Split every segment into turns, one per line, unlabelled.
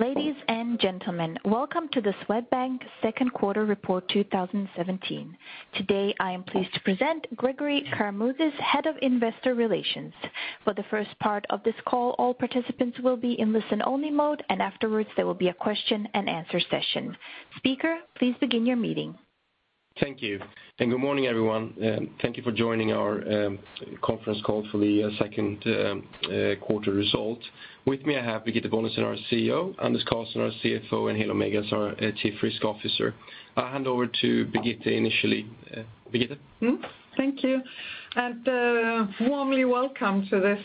Ladies and gentlemen, welcome to the Swedbank second quarter report 2017. Today, I am pleased to present Gregori Karamouzis, Head of Investor Relations. For the first part of this call, all participants will be in listen-only mode, and afterwards, there will be a question-and-answer session. Speaker, please begin your meeting.
Thank you, and good morning, everyone, and thank you for joining our conference call for the second quarter result. With me, I have Birgitte Bonnesen, our CEO, Anders Karlsson, our CFO, and Helo Meigas, our Chief Risk Officer. I'll hand over to Birgitte initially. Birgitte?
Thank you, and warmly welcome to this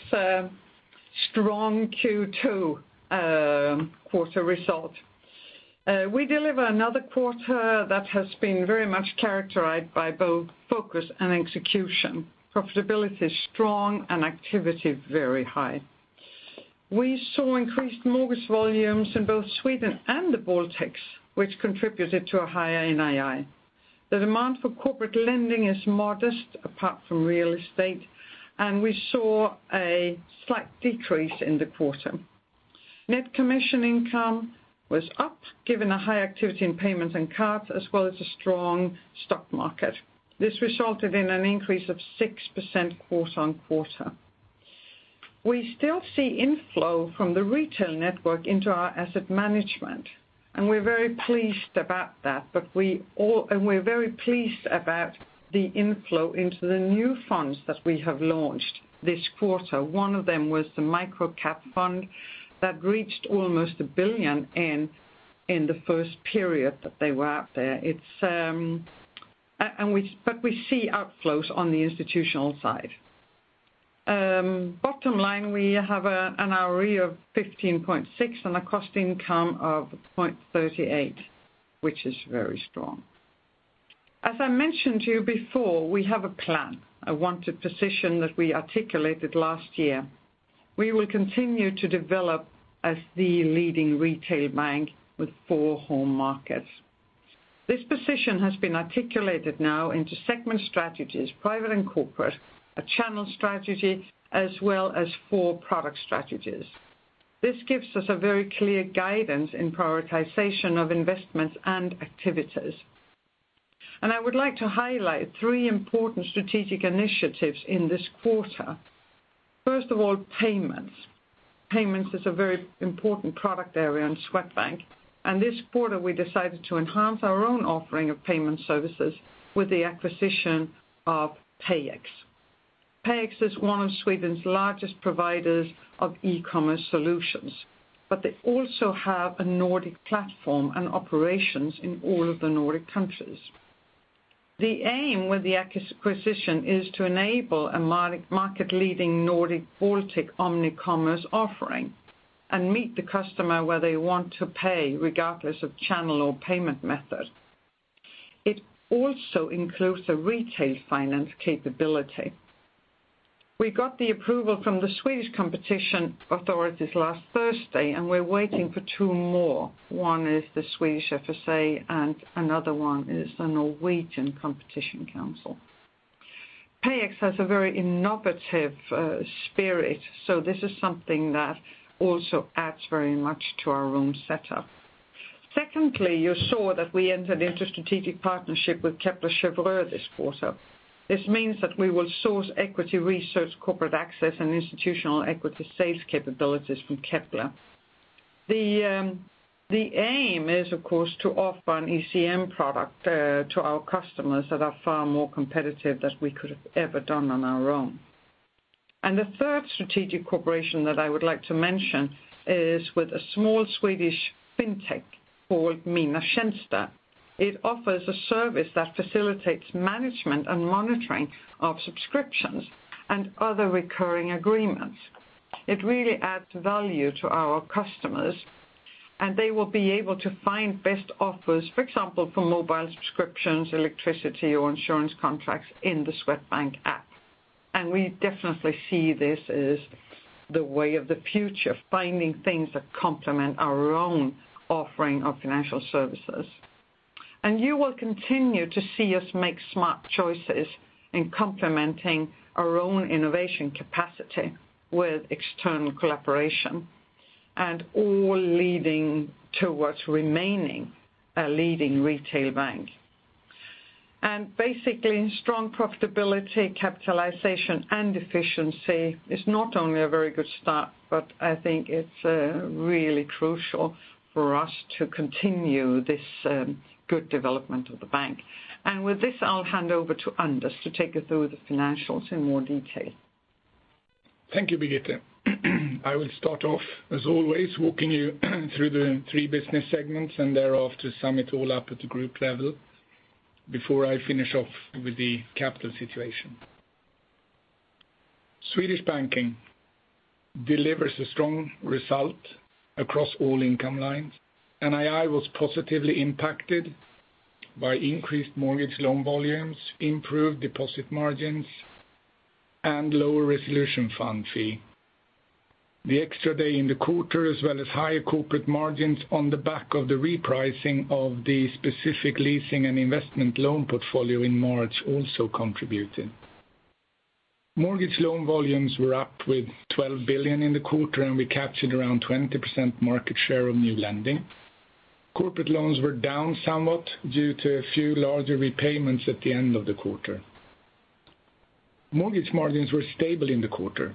strong Q2 quarter result. We deliver another quarter that has been very much characterized by both focus and execution. Profitability is strong and activity very high. We saw increased mortgage volumes in both Sweden and the Baltics, which contributed to a higher NII. The demand for corporate lending is modest, apart from real estate, and we saw a slight decrease in the quarter. Net commission income was up, given a high activity in payments and cards, as well as a strong stock market. This resulted in an increase of 6% quarter-on-quarter. We still see inflow from the retail network into our asset management, and we're very pleased about that, and we're very pleased about the inflow into the new funds that we have launched this quarter. One of them was the micro-cap fund that reached almost 1 billion in the first period that they were out there. It's and we, but we see outflows on the institutional side. Bottom line, we have an ROE of 15.6% and a cost-income of 0.38, which is very strong. As I mentioned to you before, we have a plan, a wanted position that we articulated last year. We will continue to develop as the leading retail bank with four home markets. This position has been articulated now into segment strategies, private and corporate, a channel strategy, as well as four product strategies. This gives us a very clear guidance in prioritization of investments and activities. I would like to highlight three important strategic initiatives in this quarter. First of all, payments. Payments is a very important product area in Swedbank, and this quarter we decided to enhance our own offering of payment services with the acquisition of PayEx. PayEx is one of Sweden's largest providers of e-commerce solutions, but they also have a Nordic platform and operations in all of the Nordic countries. The aim with the acquisition is to enable a market-leading Nordic-Baltic omni-commerce offering and meet the customer where they want to pay, regardless of channel or payment method. It also includes a retail finance capability. We got the approval from the Swedish competition authorities last Thursday, and we're waiting for two more. One is the Swedish FSA, and another one is the Norwegian Competition Council. PayEx has a very innovative spirit, so this is something that also adds very much to our own setup. Secondly, you saw that we entered into a strategic partnership with Kepler Cheuvreux this quarter. This means that we will source equity research, corporate access, and institutional equity sales capabilities from Kepler. The aim is, of course, to offer an ECM product to our customers that are far more competitive than we could have ever done on our own. And the third strategic cooperation that I would like to mention is with a small Swedish fintech called Mina Tjänster. It offers a service that facilitates management and monitoring of subscriptions and other recurring agreements. It really adds value to our customers, and they will be able to find best offers, for example, for mobile subscriptions, electricity, or insurance contracts in the Swedbank app. And we definitely see this as the way of the future, finding things that complement our own offering of financial services. You will continue to see us make smart choices in complementing our own innovation capacity with external collaboration, and all leading towards remaining a leading retail bank. Basically, strong profitability, capitalization, and efficiency is not only a very good start, but I think it's really crucial for us to continue this good development of the bank. With this, I'll hand over to Anders to take us through the financials in more detail.
Thank you, Birgitte. I will start off, as always, walking you through the three business segments, and thereafter, sum it all up at the group level before I finish off with the capital situation. Swedish banking delivers a strong result across all income lines. NII was positively impacted by increased mortgage loan volumes, improved deposit margins, and lower resolution fund fee. The extra day in the quarter, as well as higher corporate margins on the back of the repricing of the specific leasing and investment loan portfolio in March also contributed. Mortgage loan volumes were up with 12 billion in the quarter, and we captured around 20% market share of new lending. Corporate loans were down somewhat due to a few larger repayments at the end of the quarter. Mortgage margins were stable in the quarter.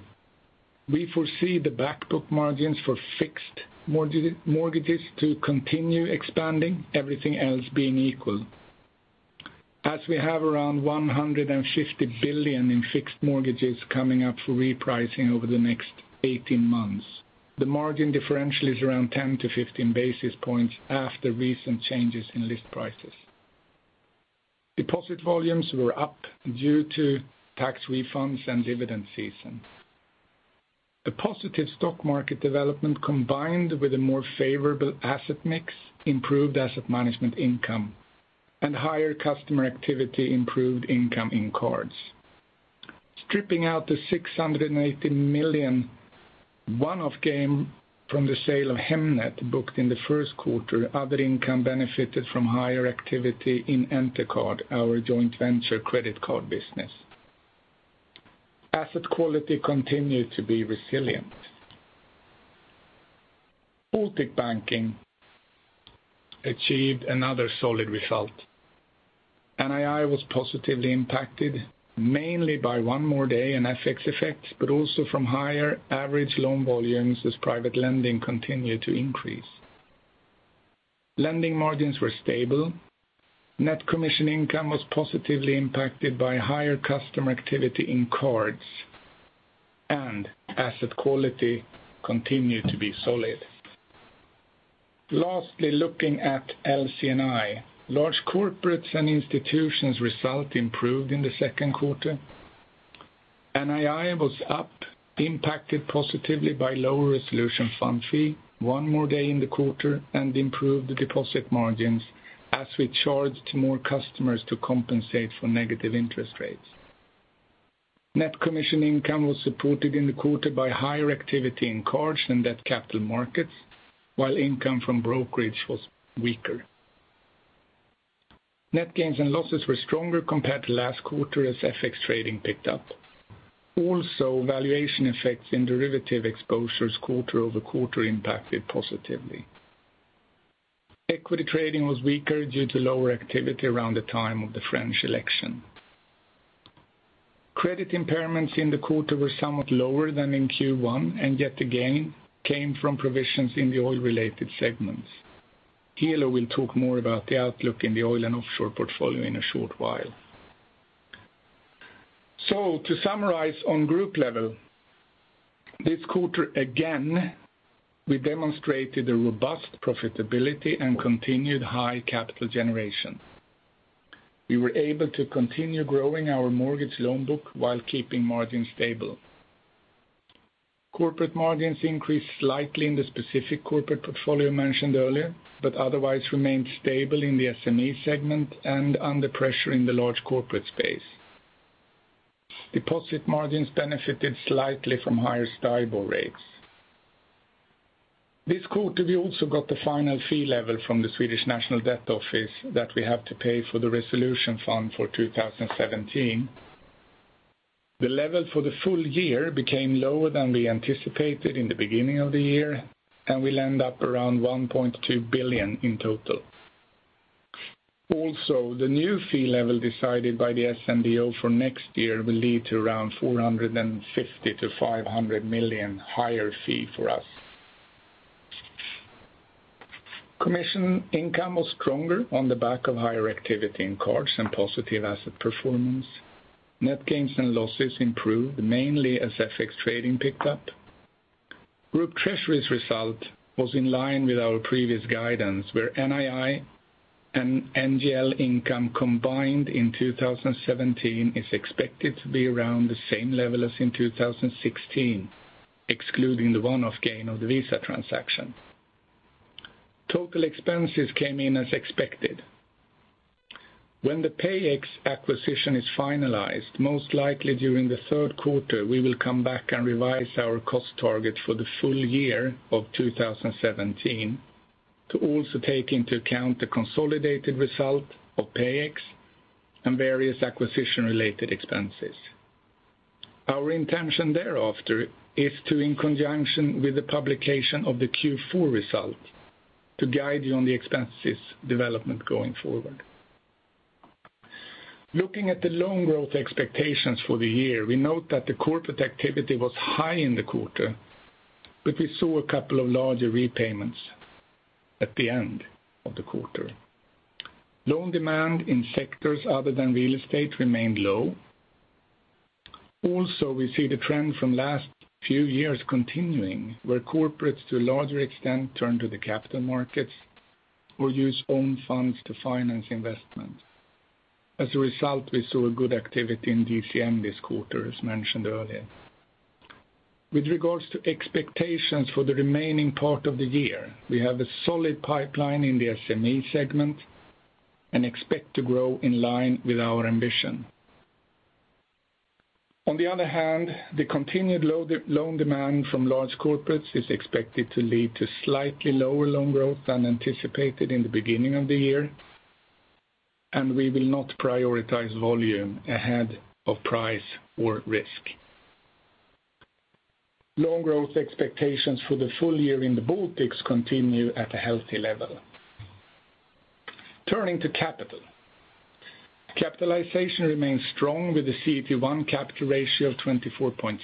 We foresee the back book margins for fixed mortgages to continue expanding, everything else being equal. As we have around 150 billion in fixed mortgages coming up for repricing over the next 18 months, the margin differential is around 10-15 basis points after recent changes in list prices. Deposit volumes were up due to tax refunds and dividend season. A positive stock market development, combined with a more favorable asset mix, improved asset management income, and higher customer activity improved income in cards. Stripping out the 680 million one-off gain from the sale of Hemnet, booked in the first quarter, other income benefited from higher activity in Entercard, our joint venture credit card business. Asset quality continued to be resilient. Baltic Banking achieved another solid result. NII was positively impacted, mainly by one more day in FX effects, but also from higher average loan volumes as private lending continued to increase. Lending margins were stable. Net commission income was positively impacted by higher customer activity in cards, and asset quality continued to be solid. Lastly, looking at LCNI, large corporates and institutions result improved in the second quarter. NII was up, impacted positively by lower resolution fund fee, one more day in the quarter, and improved deposit margins as we charged more customers to compensate for negative interest rates. Net commission income was supported in the quarter by higher activity in cards and debt capital markets, while income from brokerage was weaker. Net gains and losses were stronger compared to last quarter as FX trading picked up. Also, valuation effects in derivative exposures quarter over quarter impacted positively. Equity trading was weaker due to lower activity around the time of the French election. Credit impairments in the quarter were somewhat lower than in Q1, and yet again, came from provisions in the oil-related segments. Here, we'll talk more about the outlook in the oil and offshore portfolio in a short while. So to summarize, on group level, this quarter, again, we demonstrated a robust profitability and continued high capital generation. We were able to continue growing our mortgage loan book while keeping margins stable. Corporate margins increased slightly in the specific corporate portfolio mentioned earlier, but otherwise remained stable in the SME segment and under pressure in the large corporate space. Deposit margins benefited slightly from higher STIBOR rates. This quarter, we also got the final fee level from the Swedish National Debt Office that we have to pay for the resolution fund for 2017. The level for the full year became lower than we anticipated in the beginning of the year, and will end up around 1.2 billion in total. Also, the new fee level decided by the SNDO for next year will lead to around 450 million-500 million higher fee for us. Commission income was stronger on the back of higher activity in cards and positive asset performance. Net gains and losses improved, mainly as FX trading picked up. Group Treasury's result was in line with our previous guidance, where NII and NGL income combined in 2017 is expected to be around the same level as in 2016, excluding the one-off gain of the Visa transaction. Total expenses came in as expected. When the PayEx acquisition is finalized, most likely during the third quarter, we will come back and revise our cost target for the full year of 2017 to also take into account the consolidated result of PayEx and various acquisition-related expenses. Our intention thereafter is to, in conjunction with the publication of the Q4 result, to guide you on the expenses development going forward. Looking at the loan growth expectations for the year, we note that the corporate activity was high in the quarter, but we saw a couple of larger repayments at the end of the quarter. Loan demand in sectors other than real estate remained low. Also, we see the trend from last few years continuing, where corporates, to a larger extent, turn to the capital markets or use own funds to finance investment. As a result, we saw a good activity in DCM this quarter, as mentioned earlier. With regards to expectations for the remaining part of the year, we have a solid pipeline in the SME segment and expect to grow in line with our ambition. On the other hand, the continued loan demand from large corporates is expected to lead to slightly lower loan growth than anticipated in the beginning of the year, and we will not prioritize volume ahead of price or risk. Loan growth expectations for the full year in the Baltics continue at a healthy level. Turning to capital. Capitalization remains strong with the CET1 capital ratio of 24.6.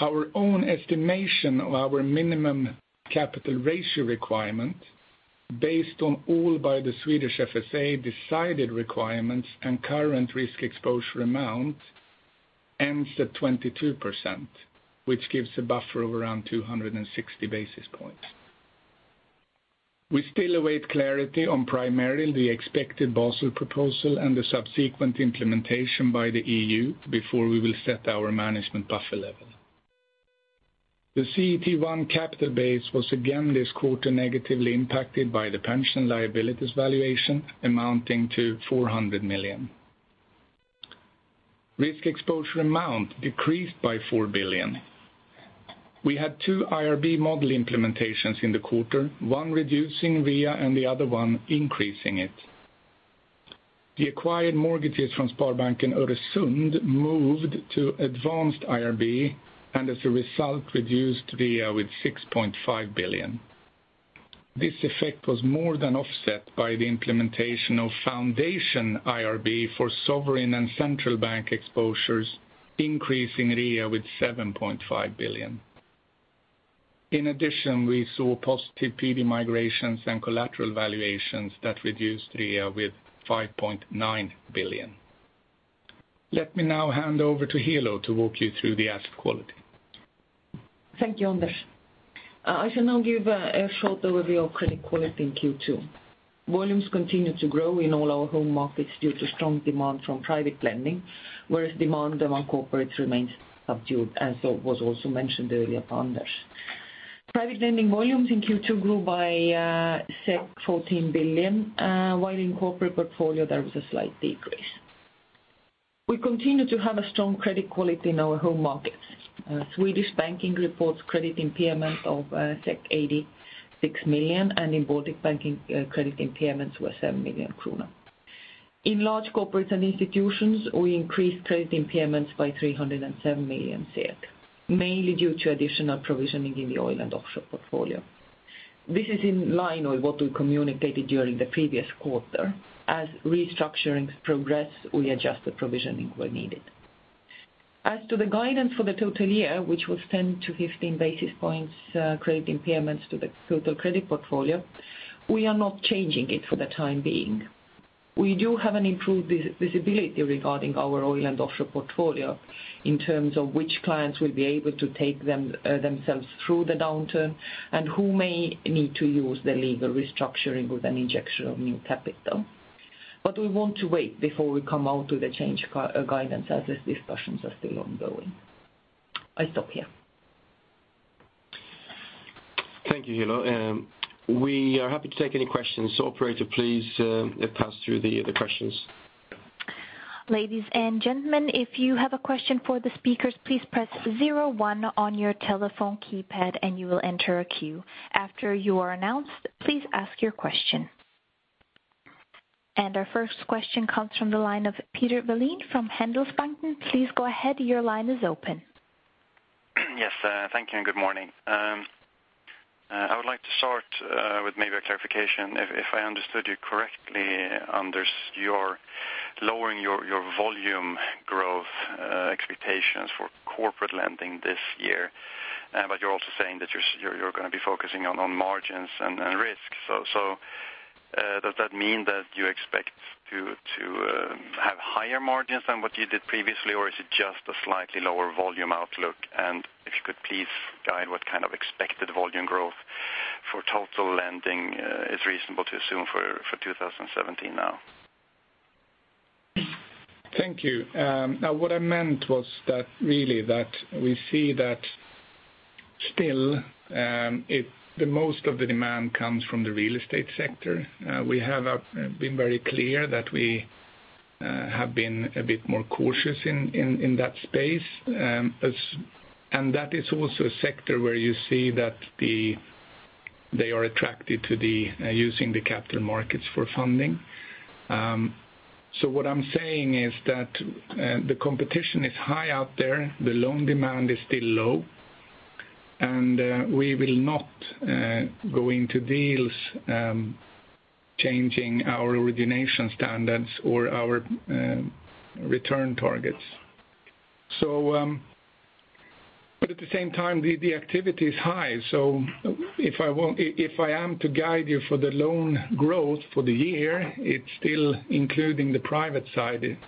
Our own estimation of our minimum capital ratio requirement, based on all by the Swedish FSA decided requirements and current risk exposure amount, ends at 22%, which gives a buffer of around 260 basis points. We still await clarity on primarily the expected Basel proposal and the subsequent implementation by the EU before we will set our management buffer level. The CET1 capital base was again this quarter negatively impacted by the pension liabilities valuation amounting to 400 million. Risk exposure amount decreased by 4 billion. We had two IRB model implementations in the quarter, one reducing RIA, and the other one increasing it. The acquired mortgages from Sparbanken Öresund moved to advanced IRB, and as a result, reduced RIA with 6.5 billion. This effect was more than offset by the implementation of Foundation IRB for sovereign and central bank exposures, increasing RIA with 7.5 billion. In addition, we saw positive PD migrations and collateral valuations that reduced RIA with 5.9 billion. Let me now hand over to Helo to walk you through the asset quality.
Thank you, Anders. I shall now give a short overview of credit quality in Q2. Volumes continued to grow in all our home markets due to strong demand from private lending, whereas demand among corporates remains subdued, as was also mentioned earlier by Anders. Private lending volumes in Q2 grew by 14 billion, while in corporate portfolio, there was a slight decrease. We continue to have a strong credit quality in our home markets. Swedish banking reports credit impairment of 86 million, and in Baltic banking, credit impairments were 7 million kronor. In large corporates and institutions, we increased credit impairments by 307 million SEK, mainly due to additional provisioning in the oil and offshore portfolio. This is in line with what we communicated during the previous quarter. As restructurings progress, we adjust the provisioning where needed. As to the guidance for the total year, which was 10-15 basis points, credit impairments to the total credit portfolio, we are not changing it for the time being. We do have an improved visibility regarding our oil and offshore portfolio in terms of which clients will be able to take them themselves through the downturn and who may need to use the legal restructuring with an injection of new capital. But we want to wait before we come out with a change guidance, as the discussions are still ongoing. I stop here.
Thank you, Helo. We are happy to take any questions. So operator, please, pass through the questions.
Ladies and gentlemen, if you have a question for the speakers, please press zero one on your telephone keypad, and you will enter a queue. After you are announced, please ask your question. Our first question comes from the line of Peter Wallin from Handelsbanken. Please go ahead. Your line is open.
Yes, thank you, and good morning. I would like to start with maybe a clarification. If I understood you correctly, Anders, you're lowering your volume growth expectations for corporate lending this year, but you're also saying that you're gonna be focusing on margins and risk. So, does that mean that you expect to have higher margins than what you did previously, or is it just a slightly lower volume outlook? And if you could, please guide what kind of expected volume growth for total lending is reasonable to assume for 2017 now?
Thank you. Now, what I meant was that really, that we see that still, the most of the demand comes from the real estate sector. We have been very clear that we have been a bit more cautious in that space. That is also a sector where you see that they are attracted to using the capital markets for funding. So what I'm saying is that the competition is high out there, the loan demand is still low, and we will not go into deals changing our origination standards or our return targets. But at the same time, the activity is high. So if I am to guide you for the loan growth for the year, it's still including the private side.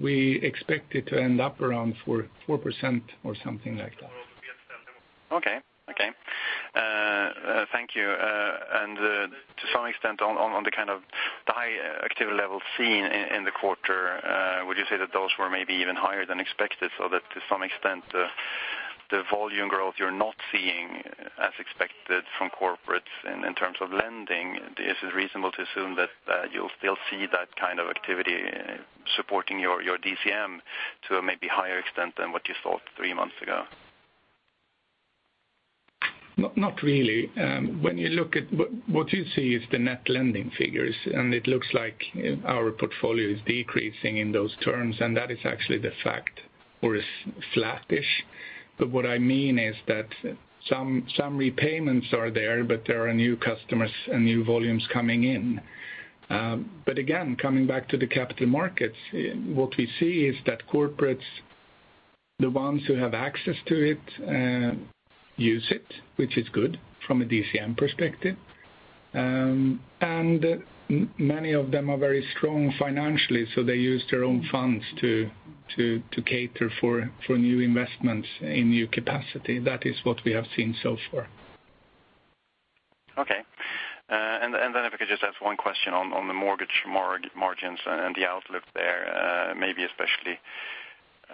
We expect it to end up around 4.4% or something like that.
Okay. Okay. Thank you. And, to some extent, on the kind of high activity level seen in the quarter, would you say that those were maybe even higher than expected, so that to some extent, the volume growth you're not seeing as expected from corporates in terms of lending, is it reasonable to assume that you'll still see that kind of activity supporting your DCM to a maybe higher extent than what you thought three months ago?
Not really. When you look at what you see is the net lending figures, and it looks like our portfolio is decreasing in those terms, and that is actually the fact, or it's flattish. But what I mean is that some repayments are there, but there are new customers and new volumes coming in. But again, coming back to the capital markets, what we see is that corporates, the ones who have access to it, use it, which is good from a DCM perspective. And many of them are very strong financially, so they use their own funds to cater for new investments in new capacity. That is what we have seen so far.
Okay. And then if I could just ask one question on the mortgage margins and the outlook there, maybe especially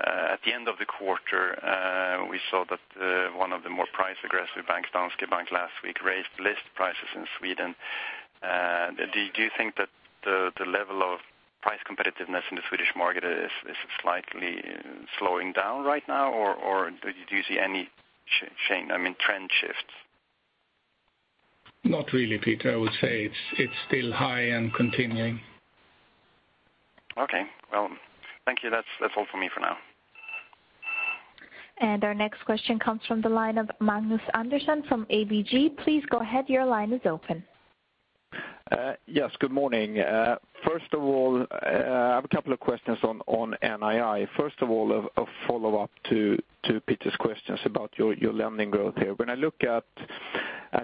at the end of the quarter, we saw that one of the more price-aggressive banks, Danske Bank, last week raised list prices in Sweden. Do you think that the level of price competitiveness in the Swedish market is slightly slowing down right now, or do you see any change, I mean, trend shifts?
Not really, Peter. I would say it's, it's still high and continuing.
Okay. Well, thank you. That's, that's all for me for now.
Our next question comes from the line of Magnus Andersson from ABG. Please go ahead. Your line is open.
Yes, good morning. First of all, I have a couple of questions on NII. First of all, a follow-up to Peter's questions about your lending growth here. When I look at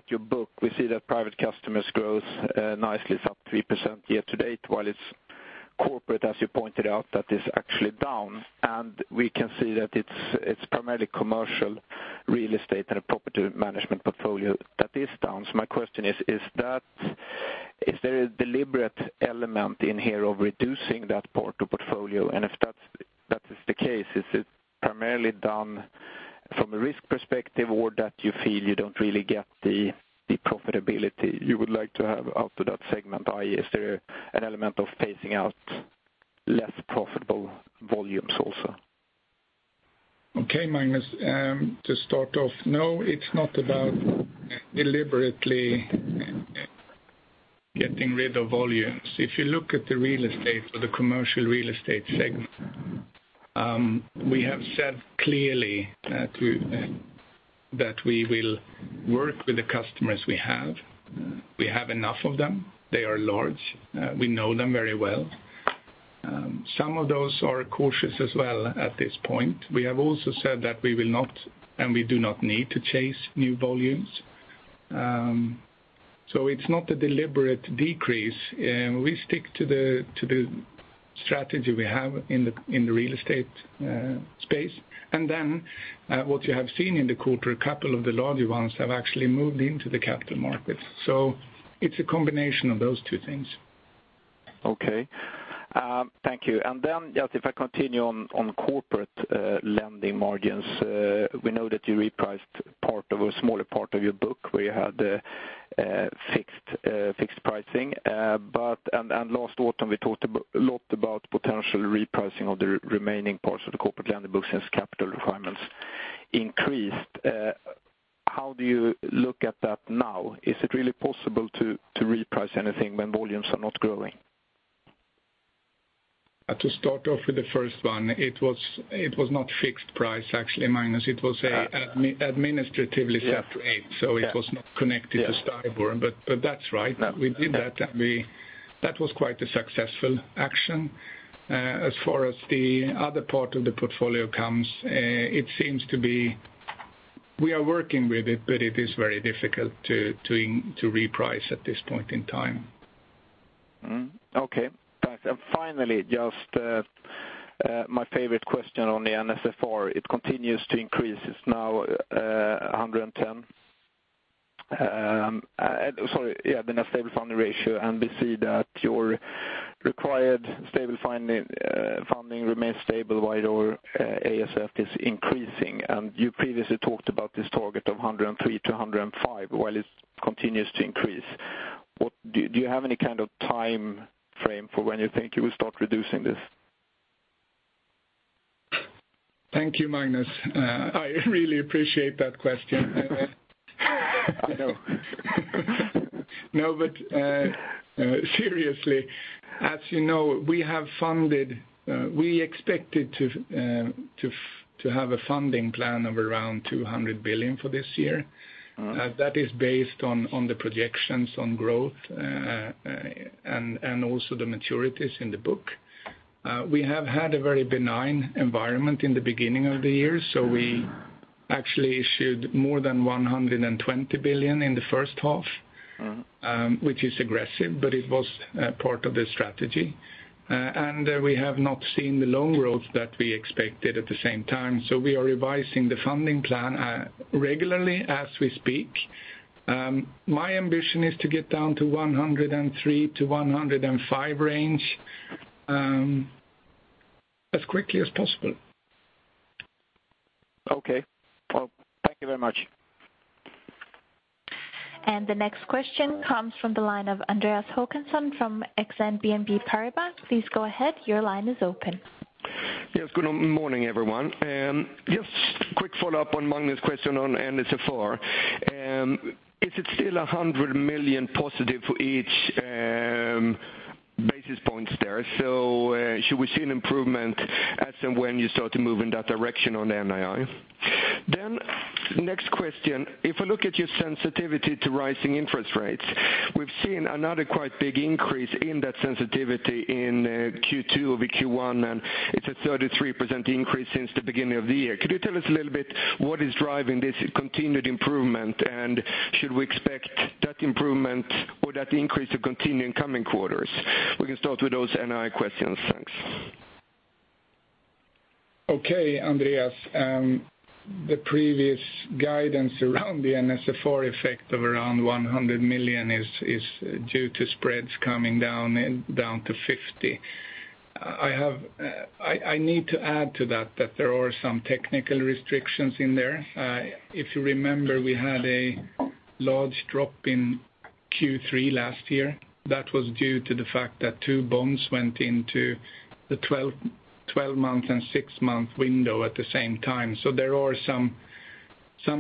your book, we see that private customers grows nicely. It's up 3% year to date, while it's corporate, as you pointed out, that is actually down. And we can see that it's primarily commercial real estate and a property management portfolio that is down. So my question is, is there a deliberate element in here of reducing that part of portfolio? If that's, that is the case, is it primarily done from a risk perspective, or that you feel you don't really get the, the profitability you would like to have out of that segment, i.e., is there an element of phasing out less profitable volumes also?
Okay, Magnus, to start off, no, it's not about deliberately getting rid of volumes. If you look at the real estate or the commercial real estate segment, we have said clearly that we will work with the customers we have. We have enough of them. They are large. We know them very well. Some of those are cautious as well at this point. We have also said that we will not, and we do not need to chase new volumes. So it's not a deliberate decrease, we stick to the strategy we have in the real estate space. And then, what you have seen in the quarter, a couple of the larger ones have actually moved into the capital markets. So it's a combination of those two things.
Okay. Thank you. And then, just if I continue on corporate lending margins, we know that you repriced part of, a smaller part of your book, where you had fixed pricing. But last autumn, we talked a lot about potential repricing of the remaining parts of the corporate lending books as capital requirements increased. How do you look at that now? Is it really possible to reprice anything when volumes are not growing?
To start off with the first one, it was not fixed price, actually, Magnus. It was an administratively set rate-
Yeah.
So it was not connected to STIBOR. But that's right. We did that, and we... That was quite a successful action. As far as the other part of the portfolio comes, it seems to be we are working with it, but it is very difficult to reprice at this point in time.
Okay, thanks. And finally, just my favorite question on the NSFR. It continues to increase. It's now 110%. Sorry, yeah, the net stable funding ratio, and we see that your required stable funding remains stable, while your ASF is increasing. And you previously talked about this target of 103%-105%, while it continues to increase. What do you have any kind of time frame for when you think you will start reducing this?
Thank you, Magnus. I really appreciate that question. No. No, but seriously, as you know, we have funded, we expected to have a funding plan of around 200 billion for this year. That is based on the projections on growth, and also the maturities in the book. We have had a very benign environment in the beginning of the year, so we actually issued more than 120 billion in the first half which is aggressive, but it was part of the strategy. We have not seen the loan growth that we expected at the same time, so we are revising the funding plan regularly as we speak. My ambition is to get down to 103-105 range as quickly as possible.
Okay. Well, thank you very much.
The next question comes from the line of Andreas Håkansson from Exane BNP Paribas. Please go ahead, your line is open.
Yes, good morning, everyone. Just quick follow-up on Magnus' question on NSFR. Is it still 100 million positive for each basis points there? So, should we see an improvement as and when you start to move in that direction on NII? Then next question, if we look at your sensitivity to rising interest rates, we've seen another quite big increase in that sensitivity in Q2 over Q1, and it's a 33% increase since the beginning of the year. Could you tell us a little bit what is driving this continued improvement? And should we expect that improvement or that increase to continue in coming quarters? We can start with those NII questions. Thanks.
Okay, Andreas, the previous guidance around the NSFR effect of around 100 million is due to spreads coming down to 50. I need to add to that, that there are some technical restrictions in there. If you remember, we had a large drop in Q3 last year. That was due to the fact that two bonds went into the 12-month and six-month window at the same time. So there are some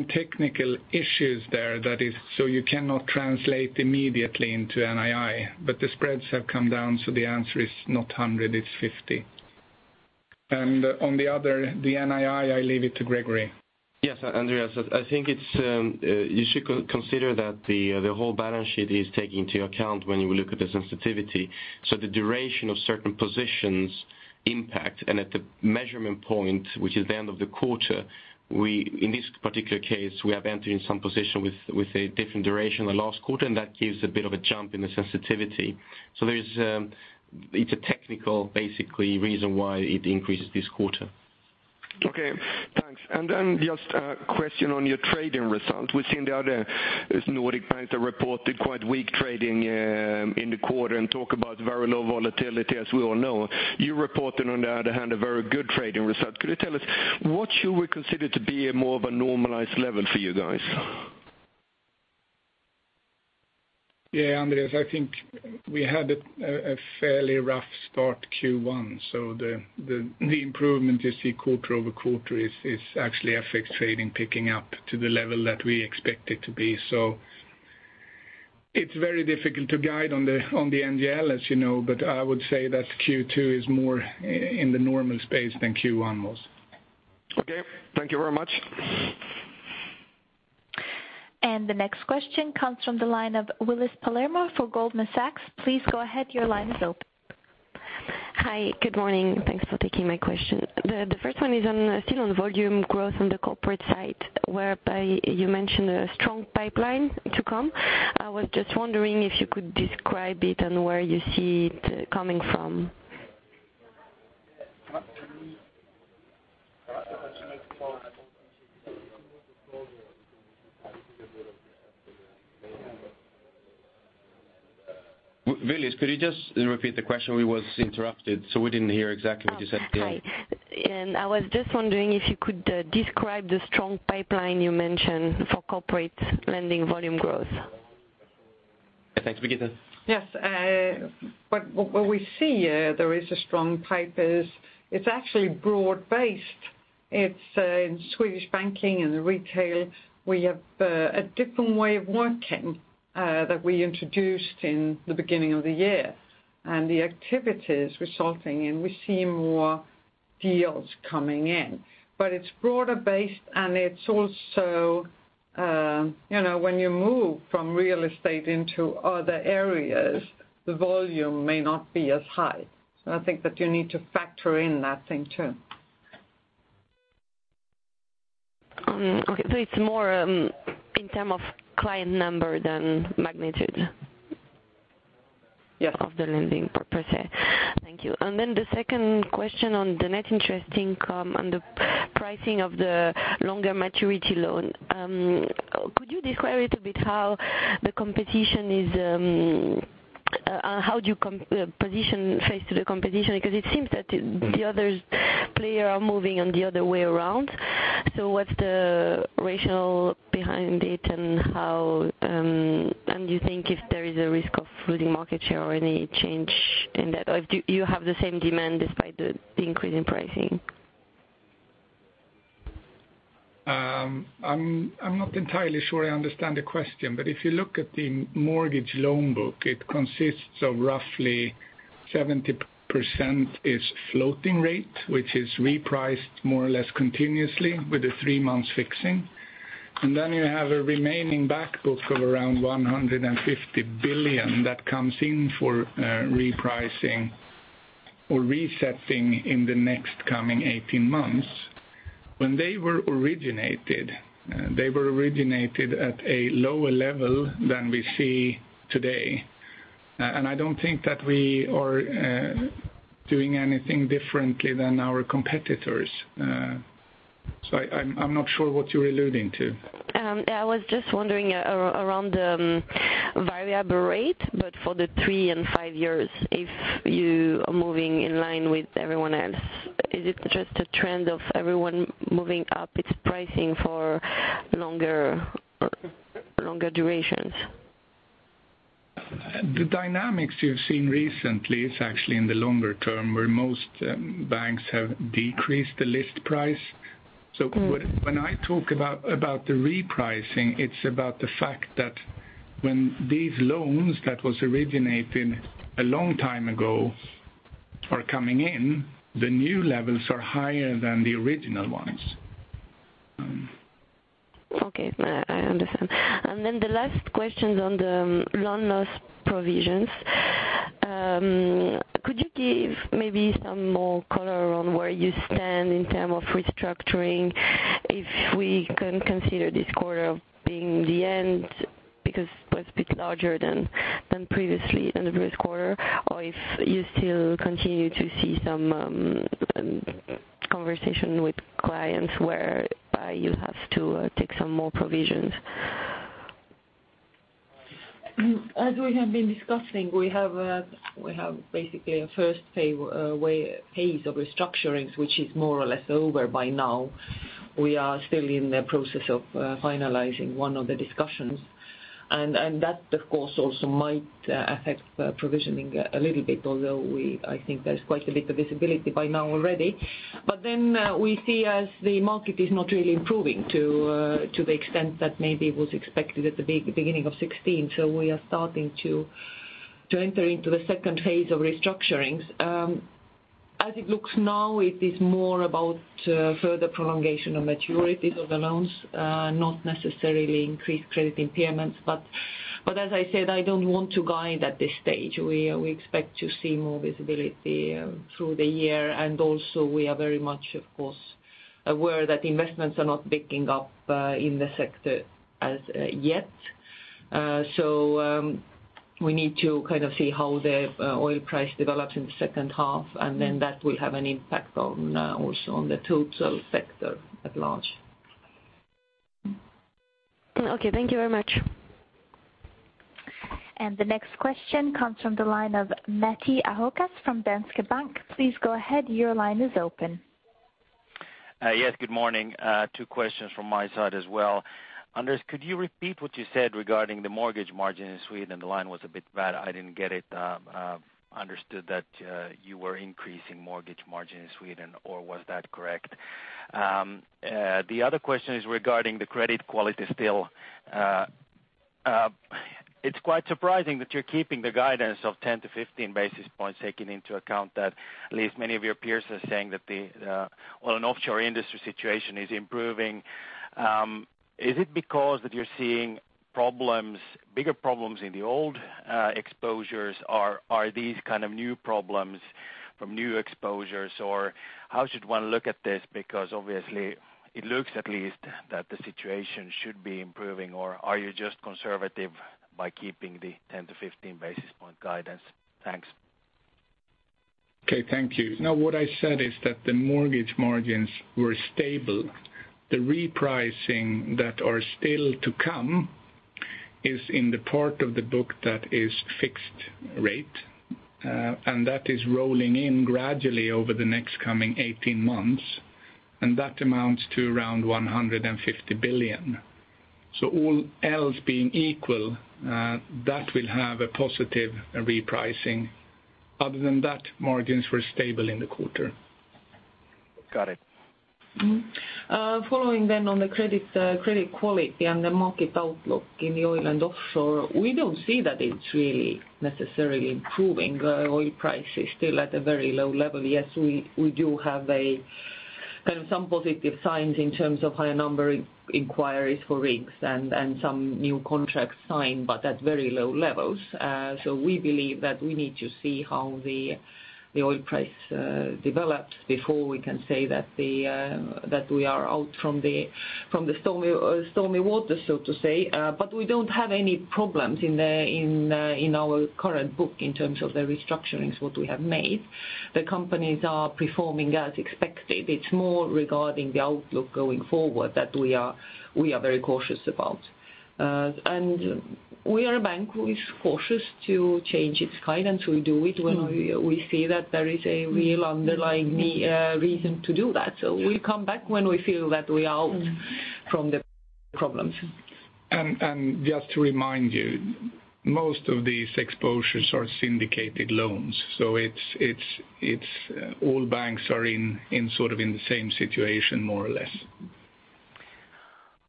technical issues there, that is, so you cannot translate immediately into NII, but the spreads have come down, so the answer is not 100 million, it's 50 million. And on the other, the NII, I leave it to Gregori.
Yes, Andreas, I think it's, you should consider that the whole balance sheet is taking into account when you look at the sensitivity. So the duration of certain positions impact, and at the measurement point, which is the end of the quarter, we, in this particular case, we have entered in some position with a different duration the last quarter, and that gives a bit of a jump in the sensitivity. So there's, it's a technical, basically, reason why it increases this quarter.
Okay, thanks. And then just a question on your trading result. We've seen the other Nordic banks that reported quite weak trading in the quarter and talk about very low volatility, as we all know. You reported, on the other hand, a very good trading result. Could you tell us what should we consider to be a more of a normalized level for you guys?
Yeah, Andreas, I think we had a fairly rough start Q1, so the improvement you see quarter-over-quarter is actually FX trading picking up to the level that we expect it to be. So it's very difficult to guide on the NGL, as you know, but I would say that Q2 is more in the normal space than Q1 was.
Okay. Thank you very much.
The next question comes from the line of Willis Palermo for Goldman Sachs. Please go ahead, your line is open.
Hi, good morning. Thanks for taking my question. The first one is on, still on volume growth on the corporate side, whereby you mentioned a strong pipeline to come. I was just wondering if you could describe it and where you see it coming from.
Willis, could you just repeat the question? We was interrupted, so we didn't hear exactly what you said at the end.
Oh, hi. I was just wondering if you could describe the strong pipeline you mentioned for corporate lending volume growth.
Thanks, Birgitte?
Yes, what we see, there is a strong pipeline; it's actually broad-based. It's in Swedish banking and retail. We have a different way of working that we introduced in the beginning of the year. And the activities resulting in we see more deals coming in. But it's broader-based, and it's also, you know, when you move from real estate into other areas, the volume may not be as high. So I think that you need to factor in that thing, too.
Okay, so it's more in terms of client number than magnitude of the lending per se. Thank you. Then the second question on the net interest income on the pricing of the longer maturity loan. Could you describe a little bit how the competition is, how do you position yourself to the competition? Because it seems that the other player are moving on the other way around. So what's the rationale behind it, and how, and you think if there is a risk of losing market share or any change in that? Or do you have the same demand despite the, the increase in pricing?
I'm not entirely sure I understand the question, but if you look at the mortgage loan book, it consists of roughly 70% is floating rate, which is repriced more or less continuously with a three-month fixing. And then you have a remaining back book of around 150 billion that comes in for repricing or resetting in the next coming 18 months. When they were originated, they were originated at a lower level than we see today. And I don't think that we are doing anything differently than our competitors. So I'm not sure what you're alluding to.
I was just wondering around variable rate, but for the three and five years, if you are moving in line with everyone else, is it just a trend of everyone moving up its pricing for longer, longer durations?
The dynamics you've seen recently is actually in the longer term, where most banks have decreased the list price. So when I talk about the repricing, it's about the fact that when these loans that was originated a long time ago are coming in, the new levels are higher than the original ones.
Okay, I understand. And then the last question on the loan loss provisions. Could you give maybe some more color around where you stand in terms of restructuring, if we can consider this quarter being the end, because it was a bit larger than previously in the first quarter, or if you still continue to see some conversation with clients whereby you have to take some more provisions?
As we have been discussing, we have basically a first phase of restructurings, which is more or less over by now. We are still in the process of finalizing one of the discussions. And that, of course, also might affect the provisioning a little bit, although I think there's quite a bit of visibility by now already. But then we see as the market is not really improving to the extent that maybe it was expected at the beginning of 2016, so we are starting to enter into the second phase of restructurings. As it looks now, it is more about further prolongation of maturities of the loans, not necessarily increased credit impairments. But as I said, I don't want to guide at this stage. We, we expect to see more visibility through the year, and also we are very much, of course, aware that investments are not picking up in the sector as yet. So, we need to kind of see how the oil price develops in the second half, and then that will have an impact on also on the total sector at large.
Okay, thank you very much.
The next question comes from the line of Matti Ahokas from Danske Bank. Please go ahead, your line is open.
Yes, good morning. Two questions from my side as well. Anders, could you repeat what you said regarding the mortgage margin in Sweden? The line was a bit bad. I didn't get it. Understood that you were increasing mortgage margin in Sweden, or was that correct? The other question is regarding the credit quality still. It's quite surprising that you're keeping the guidance of 10-15 basis points, taking into account that at least many of your peers are saying that the oil and offshore industry situation is improving. Is it because that you're seeing problems, bigger problems in the old exposures, or are these kind of new problems from new exposures? Or how should one look at this? Because obviously it looks at least that the situation should be improving, or are you just conservative by keeping the 10-15 basis point guidance? Thanks.
Okay, thank you. No, what I said is that the mortgage margins were stable. The repricing that are still to come is in the part of the book that is fixed rate, and that is rolling in gradually over the next coming 18 months, and that amounts to around 150 billion. So all else being equal, that will have a positive repricing. Other than that, margins were stable in the quarter.
Got it.
Following then on the credit, credit quality and the market outlook in the oil and offshore, we don't see that it's really necessarily improving. Oil price is still at a very low level. Yes, we, we do have a kind of some positive signs in terms of higher number inquiries for rigs and some new contracts signed, but at very low levels. So we believe that we need to see how the oil price develops before we can say that we are out from the stormy waters, so to say. But we don't have any problems in our current book in terms of the restructurings what we have made. The companies are performing as expected. It's more regarding the outlook going forward that we are very cautious about. And we are a bank who is cautious to change its guidance. We do it when we see that there is a real underlying reason to do that. So we come back when we feel that we are out from the problems.
Just to remind you, most of these exposures are syndicated loans, so it's all banks are in sort of the same situation, more or less.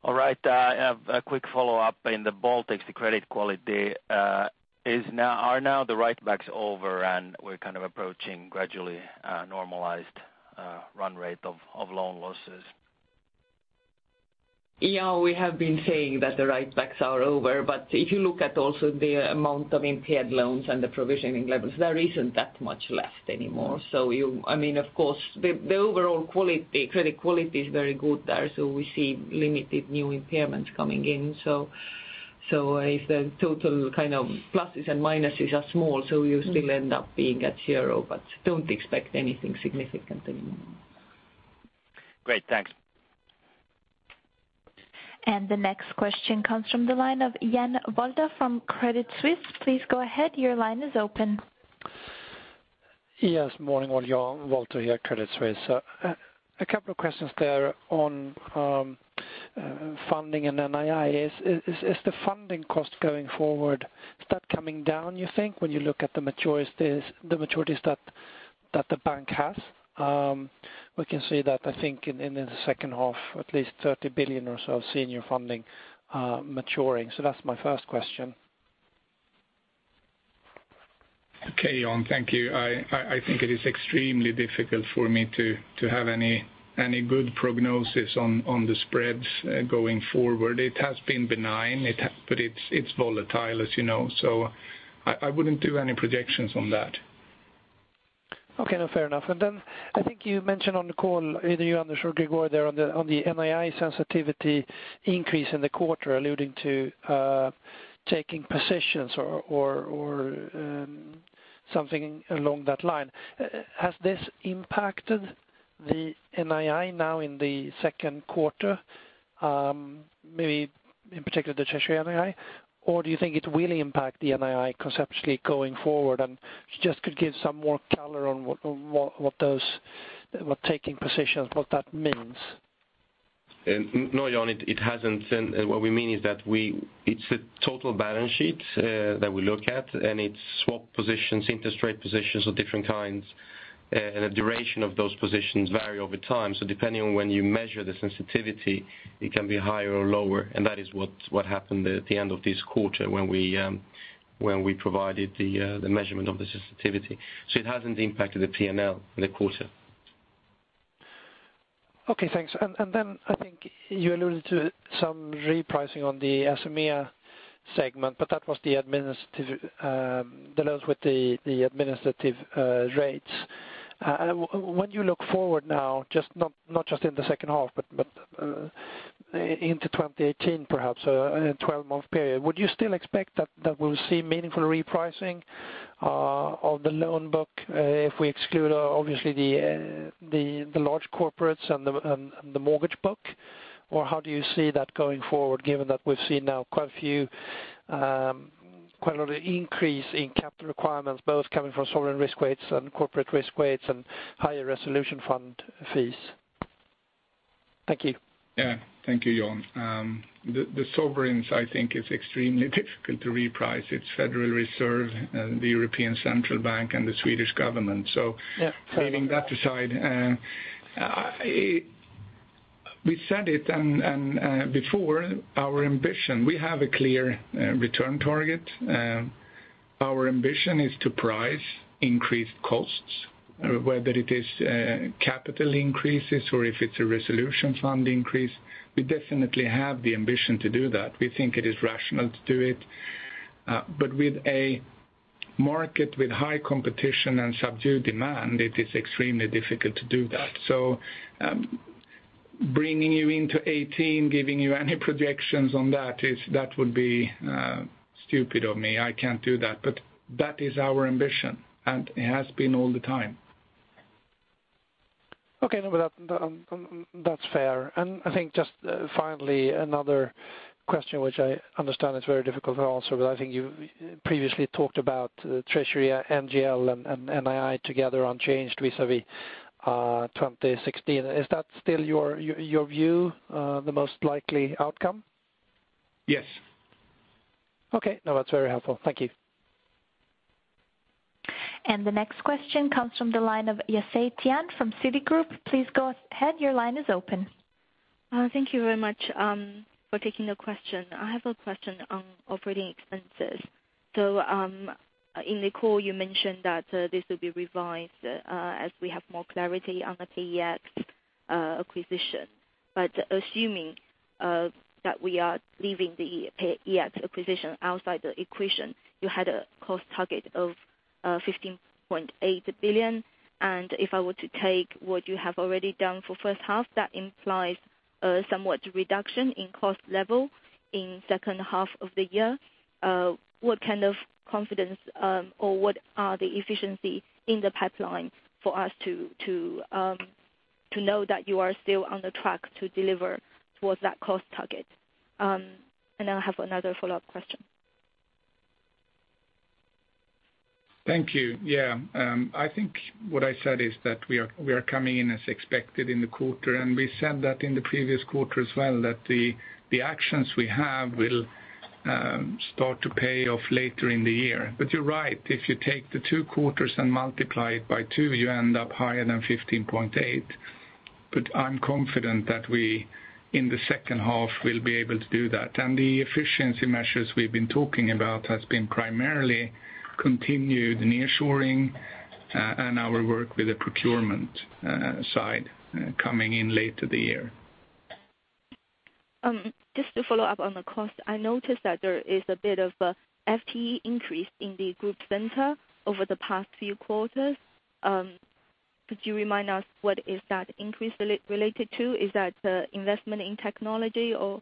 All right, I have a quick follow-up. In the Baltics, the credit quality, are now the write-backs over, and we're kind of approaching gradually a normalized run rate of loan losses?
Yeah, we have been saying that the write-backs are over, but if you look at also the amount of impaired loans and the provisioning levels, there isn't that much left anymore. I mean, of course, the overall quality, credit quality is very good there, so we see limited new impairments coming in. So, if the total kind of pluses and minuses are small, so you still end up being at zero, but don't expect anything significant anymore.
Great, thanks!
The next question comes from the line of Jan Wolter from Credit Suisse. Please go ahead, your line is open.
Yes, morning all, Jan Wolter here, Credit Suisse. A couple of questions there on funding and NII. Is the funding cost going forward, is that coming down, you think, when you look at the maturities that the bank has? We can see that, I think, in the second half, at least 30 billion or so of senior funding maturing. So that's my first question.
Okay, Jan, thank you. I think it is extremely difficult for me to have any good prognosis on the spreads going forward. It has been benign, but it's volatile, as you know, so I wouldn't do any projections on that.
Okay, no, fair enough. And then I think you mentioned on the call, either you or Gregori Karamouzis there, on the NII sensitivity increase in the quarter, alluding to taking positions or something along that line. Has this impacted the NII now in the second quarter, maybe in particular the treasury NII? Or do you think it will impact the NII conceptually going forward? And if you just could give some more color on what taking positions means.
No, Jan, it hasn't. What we mean is that it's a total balance sheet that we look at, and it's swap positions, interest rate positions of different kinds, and the duration of those positions vary over time. So depending on when you measure the sensitivity, it can be higher or lower, and that is what happened at the end of this quarter when we provided the measurement of the sensitivity. So it hasn't impacted the PNL in the quarter.
Okay, thanks. And then I think you alluded to some repricing on the SMEA segment, but that was the administrative loans with the administrative rates. When you look forward now, just not just in the second half, but into 2018, perhaps, a 12-month period, would you still expect that we'll see meaningful repricing of the loan book, if we exclude obviously the large corporates and the mortgage book? Or how do you see that going forward, given that we've seen now quite a few, quite a lot of increase in capital requirements, both coming from sovereign risk weights and corporate risk weights and higher resolution fund fees? Thank you.
Yeah. Thank you, Jan. The sovereigns I think is extremely difficult to reprice. It's Federal Reserve, the European Central Bank, and the Swedish government.
Yeah.
Leaving that aside, we said it before, our ambition, we have a clear return target. Our ambition is to price increased costs, whether it is capital increases or if it's a resolution fund increase, we definitely have the ambition to do that. We think it is rational to do it. But with a market with high competition and subdued demand, it is extremely difficult to do that. So, bringing you into 2018, giving you any projections on that is, that would be stupid of me. I can't do that. But that is our ambition, and it has been all the time.
Okay, no, well, that's fair. And I think just finally, another question, which I understand is very difficult to answer, but I think you previously talked about treasury, NGL, and NII together unchanged vis-à-vis 2016. Is that still your view, the most likely outcome?
Yes.
Okay. No, that's very helpful. Thank you.
The next question comes from the line of Yafei Tian from Citigroup. Please go ahead, your line is open.
Thank you very much for taking the question. I have a question on operating expenses. So, in the call, you mentioned that this will be revised as we have more clarity on the EX acquisition. But assuming that we are leaving the EX acquisition outside the equation, you had a cost target of 15.8 billion. And if I were to take what you have already done for first half, that implies somewhat reduction in cost level in second half of the year. What kind of confidence or what are the efficiency in the pipeline for us to know that you are still on the track to deliver towards that cost target? And I'll have another follow-up question.
Thank you. Yeah, I think what I said is that we are, we are coming in as expected in the quarter, and we said that in the previous quarter as well, that the, the actions we have will, start to pay off later in the year. But you're right. If you take the two quarters and multiply it by two, you end up higher than 15.8. But I'm confident that we, in the second half, will be able to do that. And the efficiency measures we've been talking about has been primarily continued nearshoring, and our work with the procurement, side coming in later the year.
Just to follow up on the cost, I noticed that there is a bit of a FTE increase in the group center over the past few quarters. Could you remind us what is that increase related to? Is that investment in technology or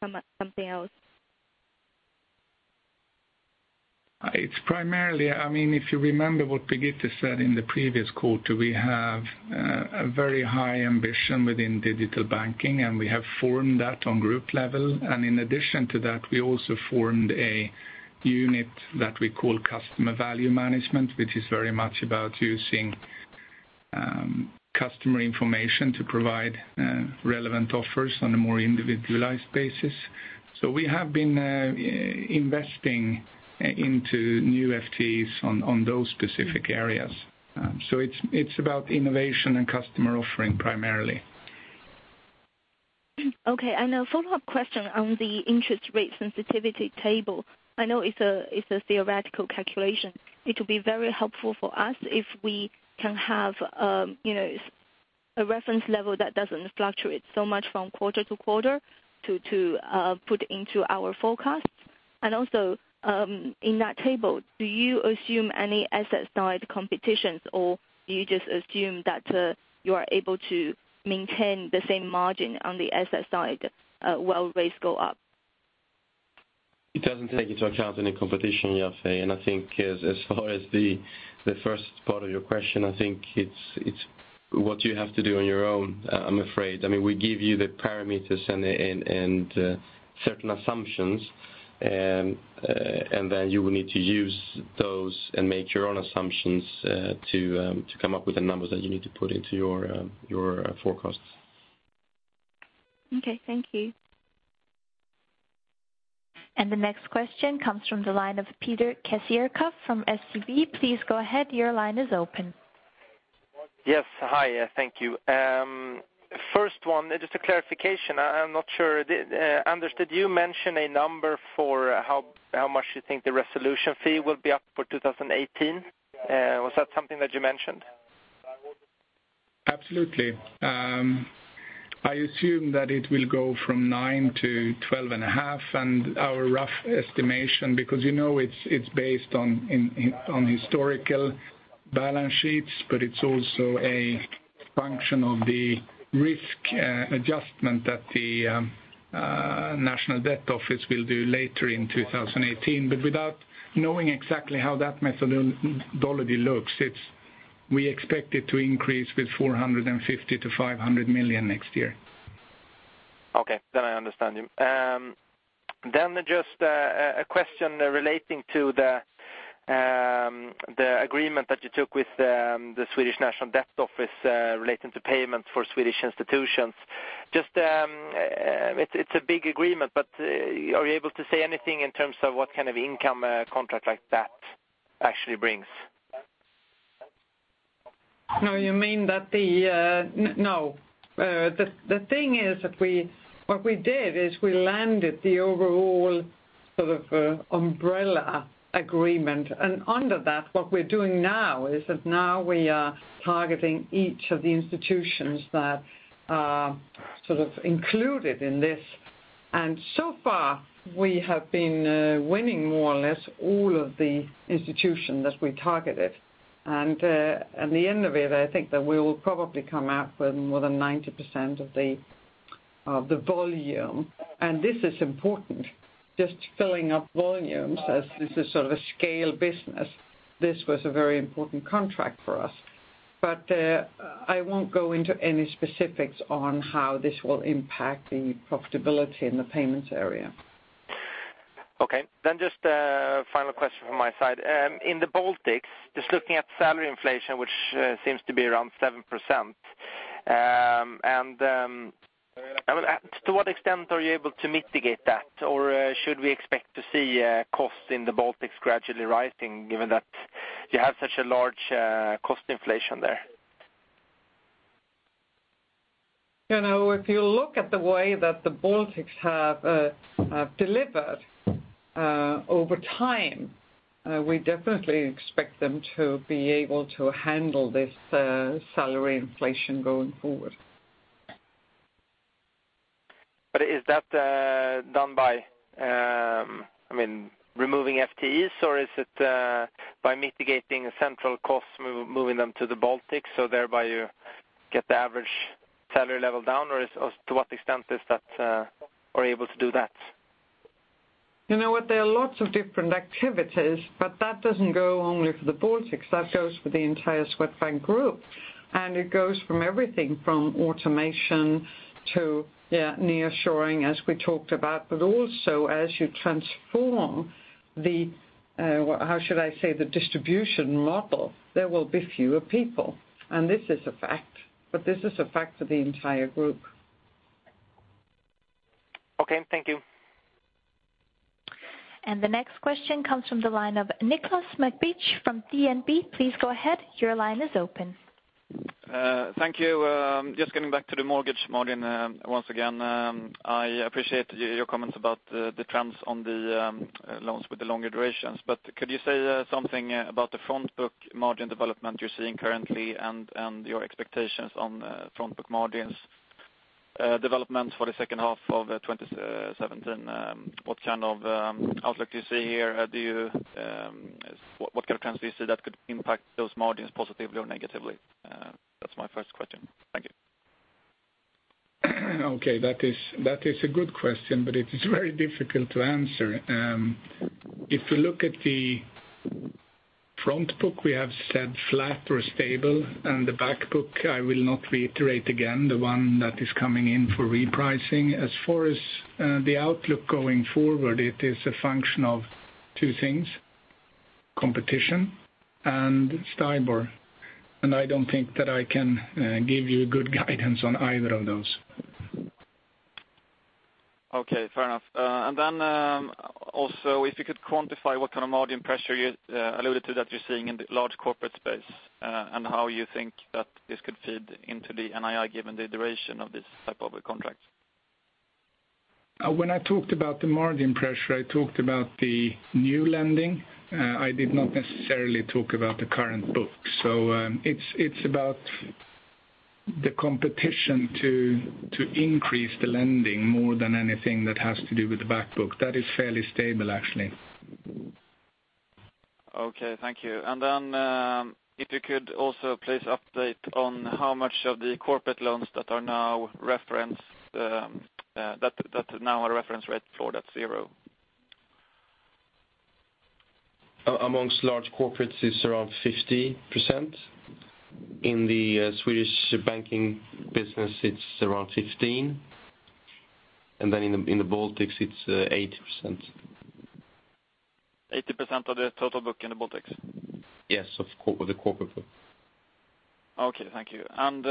something else?
It's primarily, I mean, if you remember what Birgitte said in the previous quarter, we have a very high ambition within digital banking, and we have formed that on group level. And in addition to that, we also formed a unit that we call Customer Value Management, which is very much about using customer information to provide relevant offers on a more individualized basis. So we have been investing into new FTEs on those specific areas. So it's about innovation and customer offering primarily.
Okay, and a follow-up question on the interest rate sensitivity table. I know it's a theoretical calculation. It will be very helpful for us if we can have, you know, a reference level that doesn't fluctuate so much from quarter to quarter to put into our forecasts. And also, in that table, do you assume any asset side competitions, or do you just assume that you are able to maintain the same margin on the asset side while rates go up?
It doesn't take into account any competition, Yafei, and I think as far as the first part of your question, I think it's what you have to do on your own, I'm afraid. I mean, we give you the parameters and certain assumptions, and then you will need to use those and make your own assumptions, to come up with the numbers that you need to put into your forecasts.
Okay, thank you.
The next question comes from the line of Peter Kercsmar from SEB. Please go ahead. Your line is open.
Yes. Hi, thank you. First one, just a clarification. I'm not sure, Anders, did you mention a number for how much you think the resolution fee will be up for 2018? Was that something that you mentioned?
Absolutely. I assume that it will go from nine to 12.5, and our rough estimation, because, you know, it's based on historical balance sheets, but it's also a function of the risk adjustment that the National Debt Office will do later in 2018. But without knowing exactly how that methodology looks, it's. We expect it to increase with 450 million-500 million next year.
Okay. Then I understand you. Then just a question relating to the agreement that you took with the Swedish National Debt Office relating to payments for Swedish institutions. Just it's a big agreement, but are you able to say anything in terms of what kind of income a contract like that actually brings?
No, you mean that the... No. The thing is that we—what we did is we landed the overall sort of umbrella agreement, and under that, what we're doing now is that now we are targeting each of the institutions that are sort of included in this. And so far, we have been winning more or less all of the institutions that we targeted. And at the end of it, I think that we will probably come out with more than 90% of the volume. And this is important, just filling up volumes, as this is sort of a scale business. This was a very important contract for us. But I won't go into any specifics on how this will impact the profitability in the payments area.
Okay. Then just a final question from my side. In the Baltics, just looking at salary inflation, which seems to be around 7%, and, I mean, to what extent are you able to mitigate that? Or, should we expect to see costs in the Baltics gradually rising, given that you have such a large cost inflation there?
You know, if you look at the way that the Baltics have delivered over time, we definitely expect them to be able to handle this salary inflation going forward.
But is that done by, I mean, removing FTEs, or is it by mitigating central costs, moving them to the Baltics, so thereby you get the average salary level down? Or is, or to what extent is that, are you able to do that?
You know what, there are lots of different activities, but that doesn't go only for the Baltics, that goes for the entire Swedbank Group. And it goes from everything, from automation to, yeah, nearshoring, as we talked about, but also as you transform the, how should I say, the distribution model, there will be fewer people, and this is a fact, but this is a fact for the entire group.
Okay, thank you.
The next question comes from the line of Nicholas McBeath from DNB. Please go ahead. Your line is open.
Thank you. Just getting back to the mortgage margin, once again, I appreciate your comments about the trends on the loans with the longer durations. But could you say something about the front book margin development you're seeing currently and your expectations on front book margins developments for the second half of 2017? What kind of outlook do you see here? What kind of trends do you see that could impact those margins positively or negatively? That's my first question. Thank you.
Okay, that is, that is a good question, but it is very difficult to answer. If you look at the front book, we have said flat or stable, and the back book, I will not reiterate again, the one that is coming in for repricing. As far as, the outlook going forward, it is a function of two things, competition and STIBOR. I don't think that I can, give you good guidance on either of those.
Okay, fair enough. And then, also, if you could quantify what kind of margin pressure you alluded to that you're seeing in the large corporate space, and how you think that this could feed into the NII, given the duration of this type of a contract?
When I talked about the margin pressure, I talked about the new lending. I did not necessarily talk about the current book. So, it's about the competition to increase the lending more than anything that has to do with the back book. That is fairly stable, actually.
Okay, thank you. Then, if you could also please update on how much of the corporate loans that are now reference rate floor at zero.
Amongst large corporates, it's around 50%. In the Swedish banking business, it's around 15, and then in the Baltics, it's 80%.
80% of the total book in the Baltics?
Yes, of course, the corporate book.
Okay, thank you. And,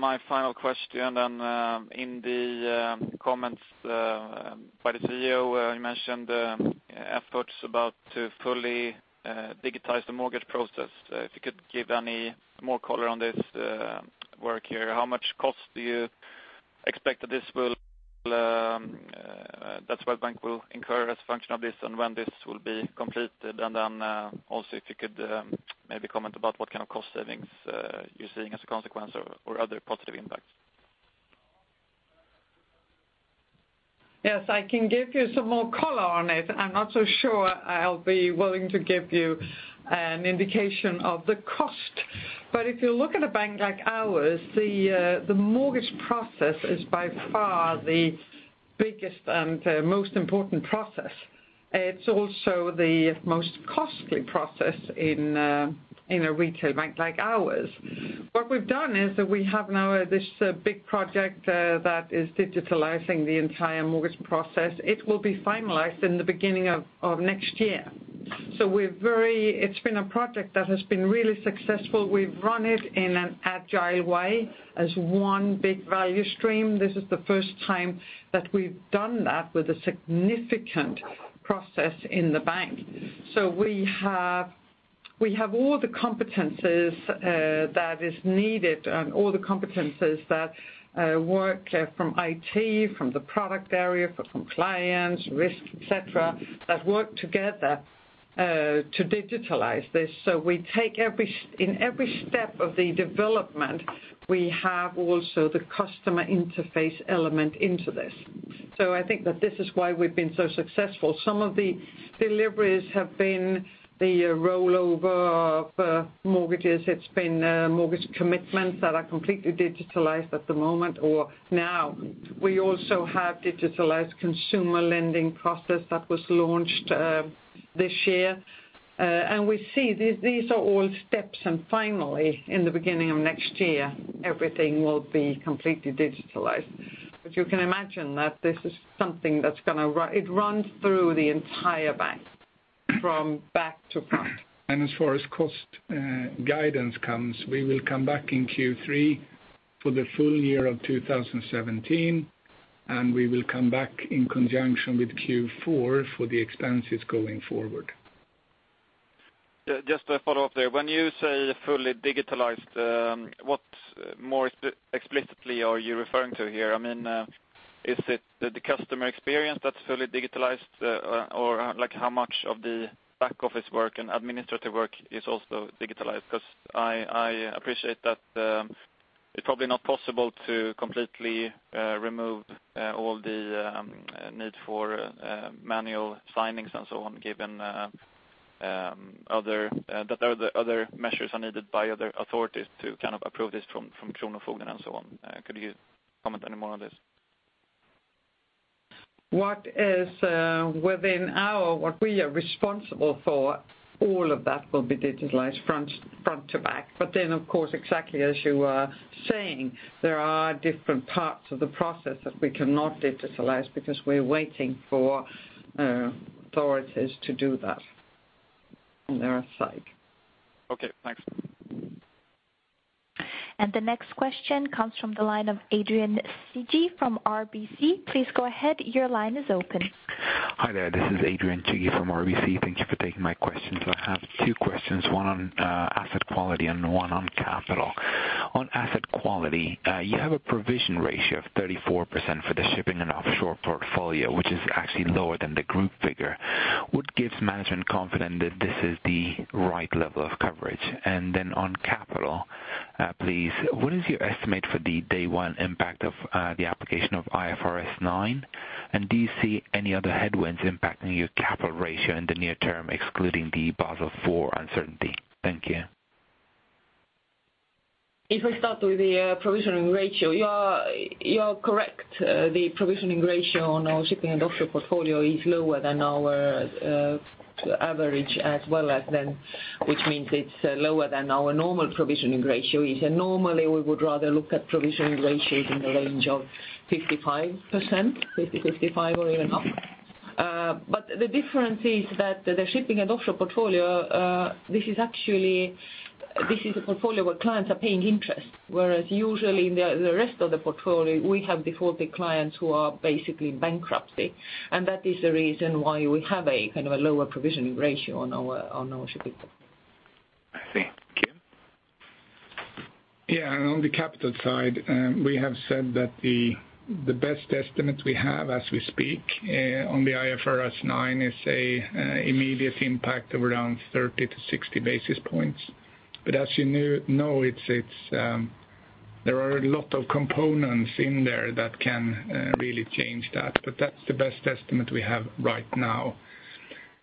my final question, and then, in the comments by the CEO, you mentioned efforts about to fully digitize the mortgage process. If you could give any more color on this work here, how much cost do you expect that this will that Swedbank will incur as a function of this, and when this will be completed? And then, also, if you could maybe comment about what kind of cost savings you're seeing as a consequence or other positive impacts.
Yes, I can give you some more color on it. I'm not so sure I'll be willing to give you an indication of the cost. But if you look at a bank like ours, the mortgage process is by far the biggest and most important process. It's also the most costly process in a retail bank like ours. What we've done is that we have now this big project that is digitalizing the entire mortgage process. It will be finalized in the beginning of next year. It's been a project that has been really successful. We've run it in an agile way, as one big value stream. This is the first time that we've done that with a significant process in the bank. We have all the competencies that are needed and all the competencies that work from IT, from the product area, for compliance, risk, et cetera, that work together to digitalize this. We take every step of the development, we have also the customer interface element into this. I think that this is why we've been so successful. Some of the deliveries have been the rollover of mortgages. It's been mortgage commitments that are completely digitalized at the moment or now. We also have digitalized consumer lending process that was launched this year. We see these, these are all steps, and finally, in the beginning of next year, everything will be completely digitalized. You can imagine that this is something that's gonna run through the entire bank, from back to front.
As far as cost guidance comes, we will come back in Q3 for the full year of 2017, and we will come back in conjunction with Q4 for the expenses going forward.
Yeah, just to follow up there. When you say fully digitalized, what more explicitly are you referring to here? I mean, is it the customer experience that's fully digitalized, or, like, how much of the back office work and administrative work is also digitalized? Because I appreciate that, it's probably not possible to completely remove all the need for manual signings and so on, given that other measures are needed by other authorities to kind of approve this from Kronofogden and so on. Could you comment any more on this?
What is within our, what we are responsible for, all of that will be digitalized front to back. But then, of course, exactly as you are saying, there are different parts of the process that we cannot digitalize because we're waiting for authorities to do that on their side.
Okay, thanks.
The next question comes from the line of Adrian Cighi from RBC. Please go ahead, your line is open.
Hi there, this is Adrian Cighi from RBC. Thank you for taking my questions. I have two questions, one on, asset quality and one on capital. On asset quality, you have a provision ratio of 34% for the shipping and offshore portfolio, which is actually lower than the group figure. What gives management confident that this is the right level of coverage? And then on capital, please, what is your estimate for the day one impact of, the application of IFRS 9? And do you see any other headwinds impacting your capital ratio in the near term, excluding the Basel IV uncertainty? Thank you.
If I start with the provisioning ratio, you are correct. The provisioning ratio on our shipping and offshore portfolio is lower than our average as well as then, which means it's lower than our normal provisioning ratio is. Normally we would rather look at provisioning ratios in the range of 50%-55% or even up. But the difference is that the shipping and offshore portfolio, this is actually a portfolio where clients are paying interest. Whereas usually in the rest of the portfolio, we have defaulted clients who are basically bankruptcy. And that is the reason why we have a kind of lower provisioning ratio on our shipping.
Thank you.
Yeah, and on the capital side, we have said that the best estimate we have as we speak on the IFRS 9 is a immediate impact of around 30-60 basis points. But as you know, there are a lot of components in there that can really change that, but that's the best estimate we have right now.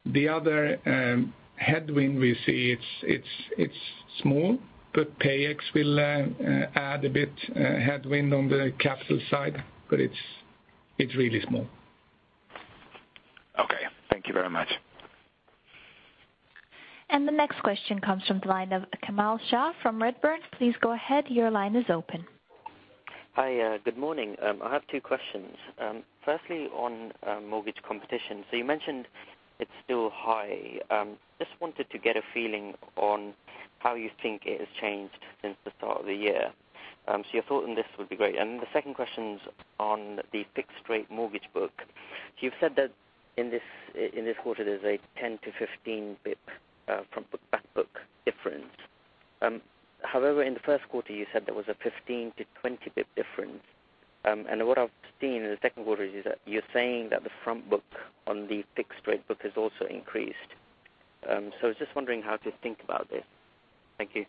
The other headwind we see, it's small, but PayEx will add a bit headwind on the capital side, but it's really small.
Okay. Thank you very much.
The next question comes from the line of Kamal Shah from Redburn. Please go ahead. Your line is open.
Hi, good morning. I have two questions. Firstly, on mortgage competition. So you mentioned it's still high. Just wanted to get a feeling on how you think it has changed since the start of the year. So your thought on this would be great. And the second question's on the fixed rate mortgage book. You've said that in this quarter, there's a 10-15 basis points from front book, back book difference. However, in the first quarter, you said there was a 15-20 basis points difference. And what I've seen in the second quarter is that you're saying that the front book on the fixed rate book has also increased. So I was just wondering how to think about this. Thank you.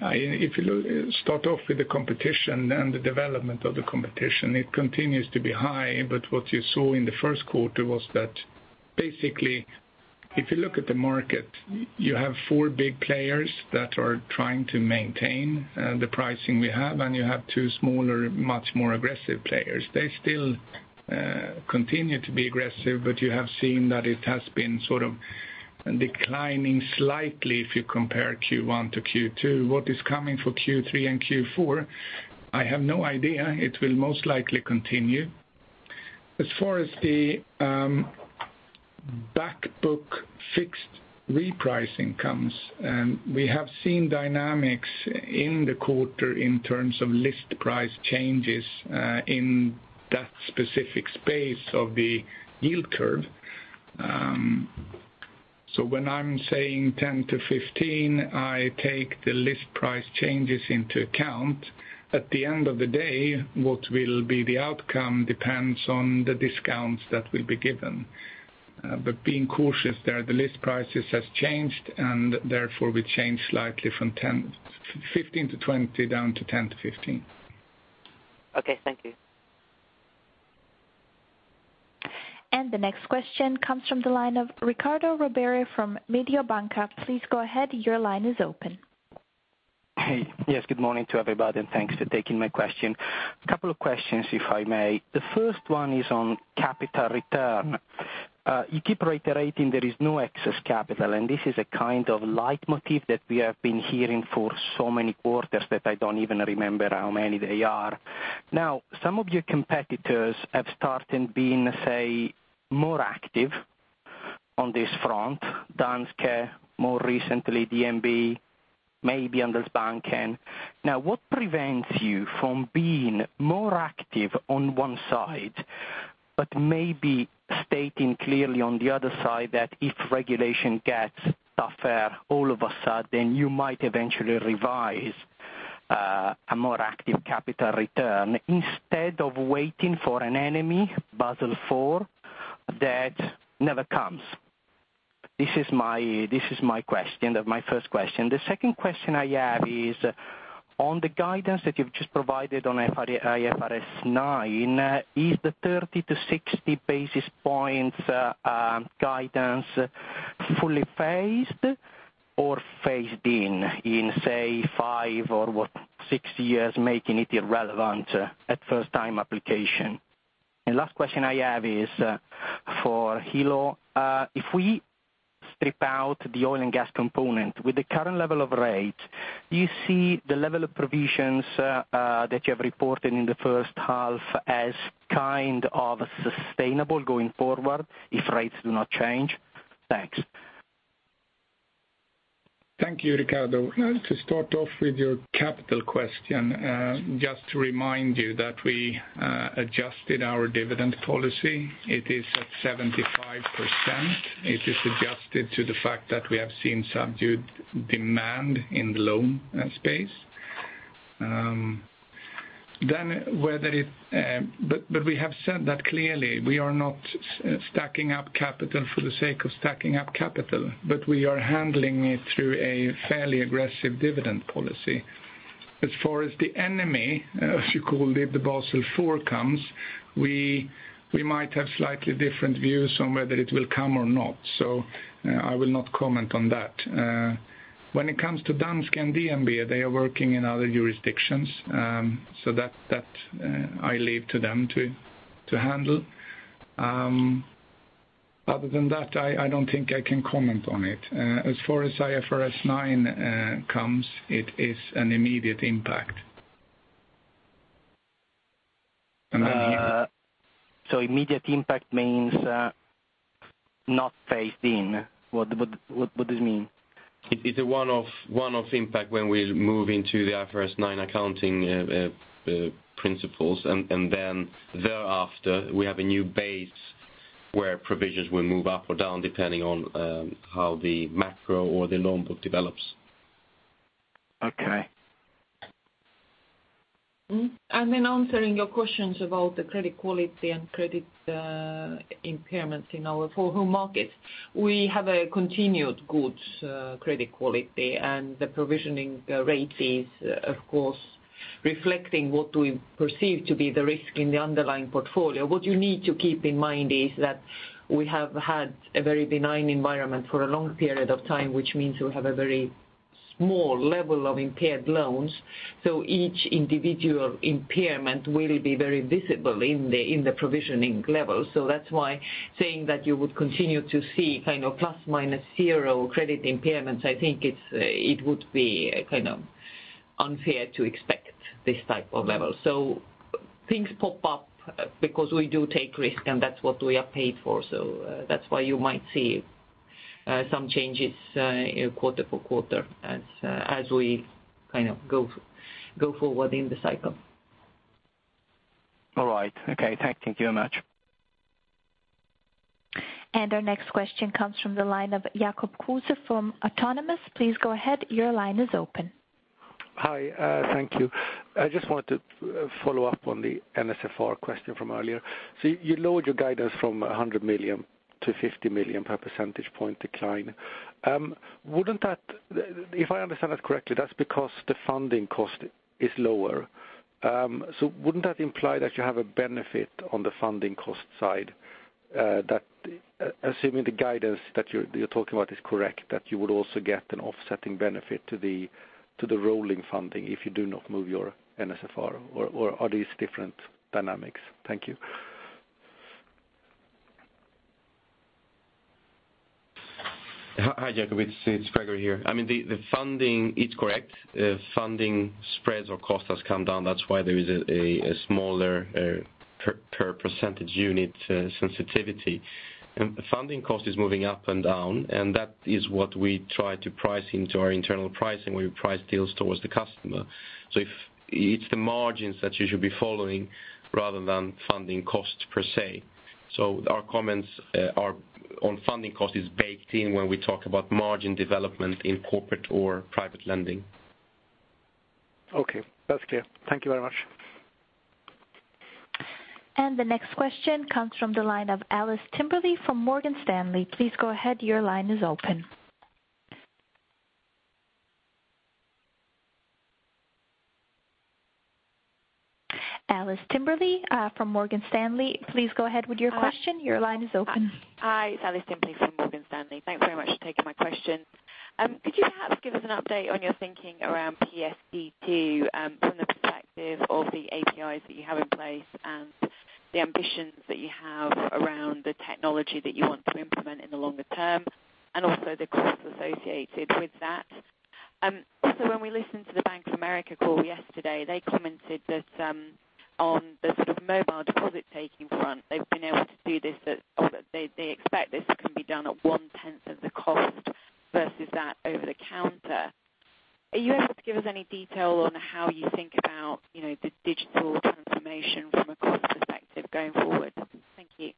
If you start off with the competition and the development of the competition, it continues to be high. But what you saw in the first quarter was that, basically, if you look at the market, you have four big players that are trying to maintain the pricing we have, and you have two smaller, much more aggressive players. They still continue to be aggressive, but you have seen that it has been sort of declining slightly if you compare Q1 to Q2. What is coming for Q3 and Q4, I have no idea. It will most likely continue. As far as the back book fixed repricing comes, we have seen dynamics in the quarter in terms of list price changes in that specific space of the yield curve. So when I'm saying 10-15, I take the list price changes into account. At the end of the day, what will be the outcome depends on the discounts that will be given. But being cautious there, the list prices has changed, and therefore we changed slightly from 10-15 to 20, down to 10-15.
Okay, thank you.
The next question comes from the line of Riccardo Rovere from Mediobanca. Please go ahead, your line is open.
Hey. Yes, good morning to everybody, and thanks for taking my question. A couple of questions, if I may. The first one is on capital return. You keep reiterating there is no excess capital, and this is a kind of leitmotif that we have been hearing for so many quarters, that I don't even remember how many they are. Now, some of your competitors have started being, say, more active on this front, Danske, more recently, DNB, maybe Handelsbanken. Now, what prevents you from being more active on one side, but maybe stating clearly on the other side that if regulation gets tougher, all of a sudden, you might eventually revise a more active capital return instead of waiting for an enemy, Basel IV, that never comes? This is my, this is my question, my first question. The second question I have is, on the guidance that you've just provided on IFRS 9, is the 30-60 basis points guidance fully phased or phased in, in, say, five or six years, making it irrelevant at first time application? The last question I have is for Helo. If we strip out the oil and gas component, with the current level of rate, do you see the level of provisions that you have reported in the first half as kind of sustainable going forward, if rates do not change? Thanks.
Thank you, Riccardo. To start off with your capital question, just to remind you that we adjusted our dividend policy. It is at 75%. It is adjusted to the fact that we have seen subdued demand in the loan space. Then whether it... But, but we have said that clearly, we are not stacking up capital for the sake of stacking up capital, but we are handling it through a fairly aggressive dividend policy. As far as the enemy, as you call it, the Basel IV comes, we might have slightly different views on whether it will come or not, so I will not comment on that. When it comes to Danske and DNB, they are working in other jurisdictions, so that, that, I leave to them to handle. Other than that, I don't think I can comment on it. As far as IFRS 9 comes, it is an immediate impact.
So immediate impact means not phased in. What does it mean?
It's a one-off, one-off impact when we move into the IFRS 9 accounting principles, and then thereafter, we have a new base where provisions will move up or down, depending on how the macro or the loan book develops.
Okay.
And then answering your questions about the credit quality and credit impairments in our home markets. We have a continued good credit quality, and the provisioning rate is, of course, reflecting what we perceive to be the risk in the underlying portfolio. What you need to keep in mind is that we have had a very benign environment for a long period of time, which means we have a very small level of impaired loans. So each individual impairment will be very visible in the provisioning level. So that's why saying that you would continue to see kind of plus minus zero credit impairments, I think it would be kind of unfair to expect this type of level. So things pop up because we do take risk, and that's what we are paid for. So, that's why you might see some changes quarter for quarter as we kind of go forward in the cycle.
All right. Okay, thank you very much.
Our next question comes from the line of Jacob Kruse from Autonomous. Please go ahead, your line is open.
Hi, thank you. I just wanted to follow up on the NSFR question from earlier. So you lowered your guidance from 100 million to 50 million per percentage point decline. Wouldn't that, if I understand that correctly, that's because the funding cost is lower. So wouldn't that imply that you have a benefit on the funding cost side? That assuming the guidance that you're, you're talking about is correct, that you would also get an offsetting benefit to the, to the rolling funding if you do not move your NSFR, or, or are these different dynamics? Thank you.
Hi, Jacob, it's Gregori here. I mean, the funding is correct. Funding spreads or cost has come down, that's why there is a smaller per percentage unit sensitivity. And funding cost is moving up and down, and that is what we try to price into our internal pricing, we price deals towards the customer. So if it's the margins that you should be following rather than funding costs per se. So our comments are on funding cost is baked in when we talk about margin development in corporate or private lending.
Okay, that's clear. Thank you very much.
The next question comes from the line of Alice Timperley from Morgan Stanley. Please go ahead, your line is open. Alice Timperley from Morgan Stanley, please go ahead with your question. Your line is open.
Hi, it's Alice Timperley from Morgan Stanley. Thanks very much for taking my question. Could you perhaps give us an update on your thinking around PSD2, from the perspective of the APIs that you have in place and the ambitions that you have around the technology that you want to implement in the longer term, and also the costs associated with that? Also, when we listened to the Bank of America call yesterday, they commented that, on the sort of mobile deposit-taking front, they've been able to do this, but they, they expect this can be done at one-tenth of the cost versus that over the counter. Are you able to give us any detail on how you think about, you know, the digital transformation from a cost perspective going forward? Thank you.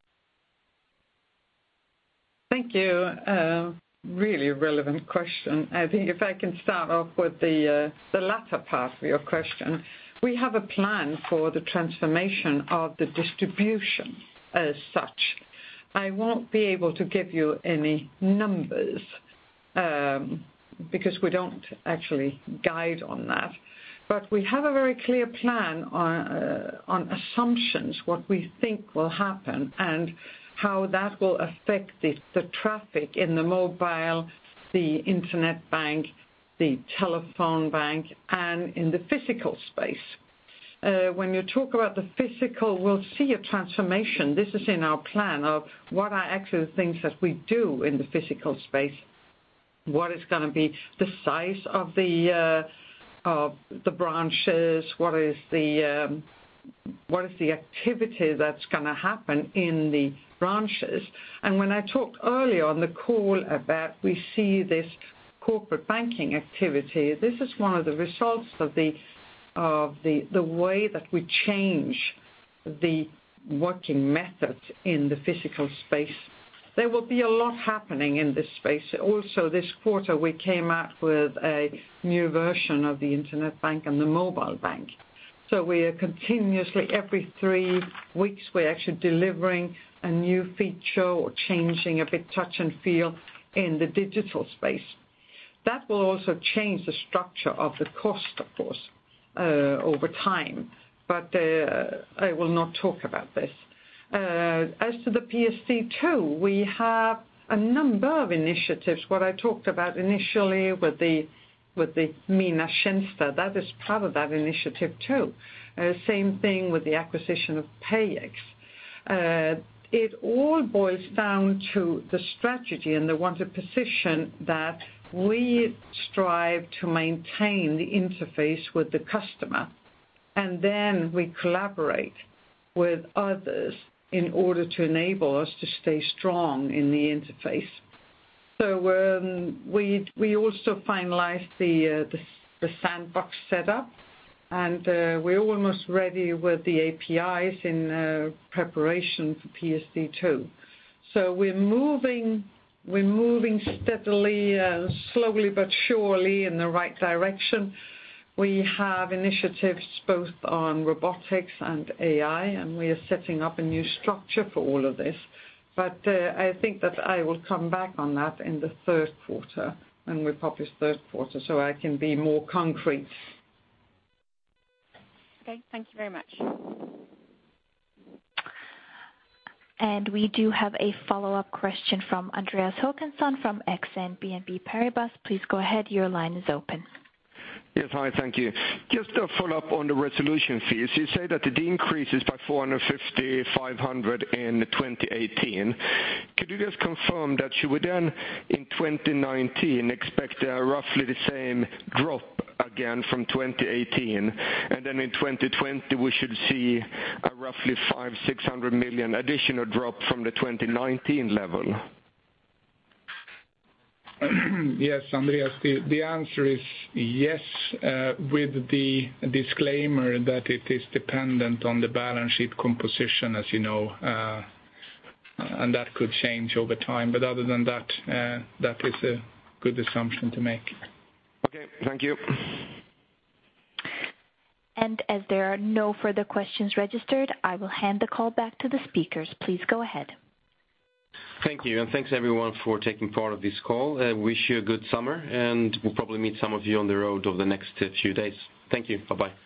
Thank you. Really relevant question. I think if I can start off with the latter part of your question. We have a plan for the transformation of the distribution as such. I won't be able to give you any numbers, because we don't actually guide on that. But we have a very clear plan on assumptions, what we think will happen and how that will affect the traffic in the mobile, the internet bank, the telephone bank, and in the physical space. When you talk about the physical, we'll see a transformation. This is in our plan of what are actually the things that we do in the physical space. What is gonna be the size of the branches? What is the activity that's gonna happen in the branches? When I talked earlier on the call about we see this corporate banking activity, this is one of the results of the way that we change the working methods in the physical space. There will be a lot happening in this space. Also, this quarter, we came out with a new version of the internet bank and the mobile bank. So we are continuously, every three weeks, we're actually delivering a new feature or changing a bit touch and feel in the digital space. That will also change the structure of the cost, of course, over time, but I will not talk about this. As to the PSD2, we have a number of initiatives. What I talked about initially with the Mina Tjänster, that is part of that initiative, too. Same thing with the acquisition of PayEx. It all boils down to the strategy and the wanted position that we strive to maintain the interface with the customer, and then we collaborate with others in order to enable us to stay strong in the interface. So, we also finalized the sandbox setup, and we're almost ready with the APIs in preparation for PSD2. So we're moving steadily, slowly but surely in the right direction. We have initiatives both on robotics and AI, and we are setting up a new structure for all of this. But I think that I will come back on that in the third quarter, when we publish third quarter, so I can be more concrete.
Okay, thank you very much.
And we do have a follow-up question from Andreas Håkansson from Exane BNP Paribas. Please go ahead. Your line is open.
Yes, hi, thank you. Just a follow-up on the resolution fees. You say that it increases by 450 million-500 million in 2018. Could you just confirm that should we then, in 2019, expect roughly the same drop again from 2018, and then in 2020, we should see a roughly 500 million-600 million additional drop from the 2019 level?
Yes, Andreas, the answer is yes, with the disclaimer that it is dependent on the balance sheet composition, as you know, and that could change over time. But other than that, that is a good assumption to make.
Okay, thank you.
As there are no further questions registered, I will hand the call back to the speakers. Please go ahead.
Thank you, and thanks, everyone, for taking part of this call. Wish you a good summer, and we'll probably meet some of you on the road over the next few days. Thank you. Bye-bye.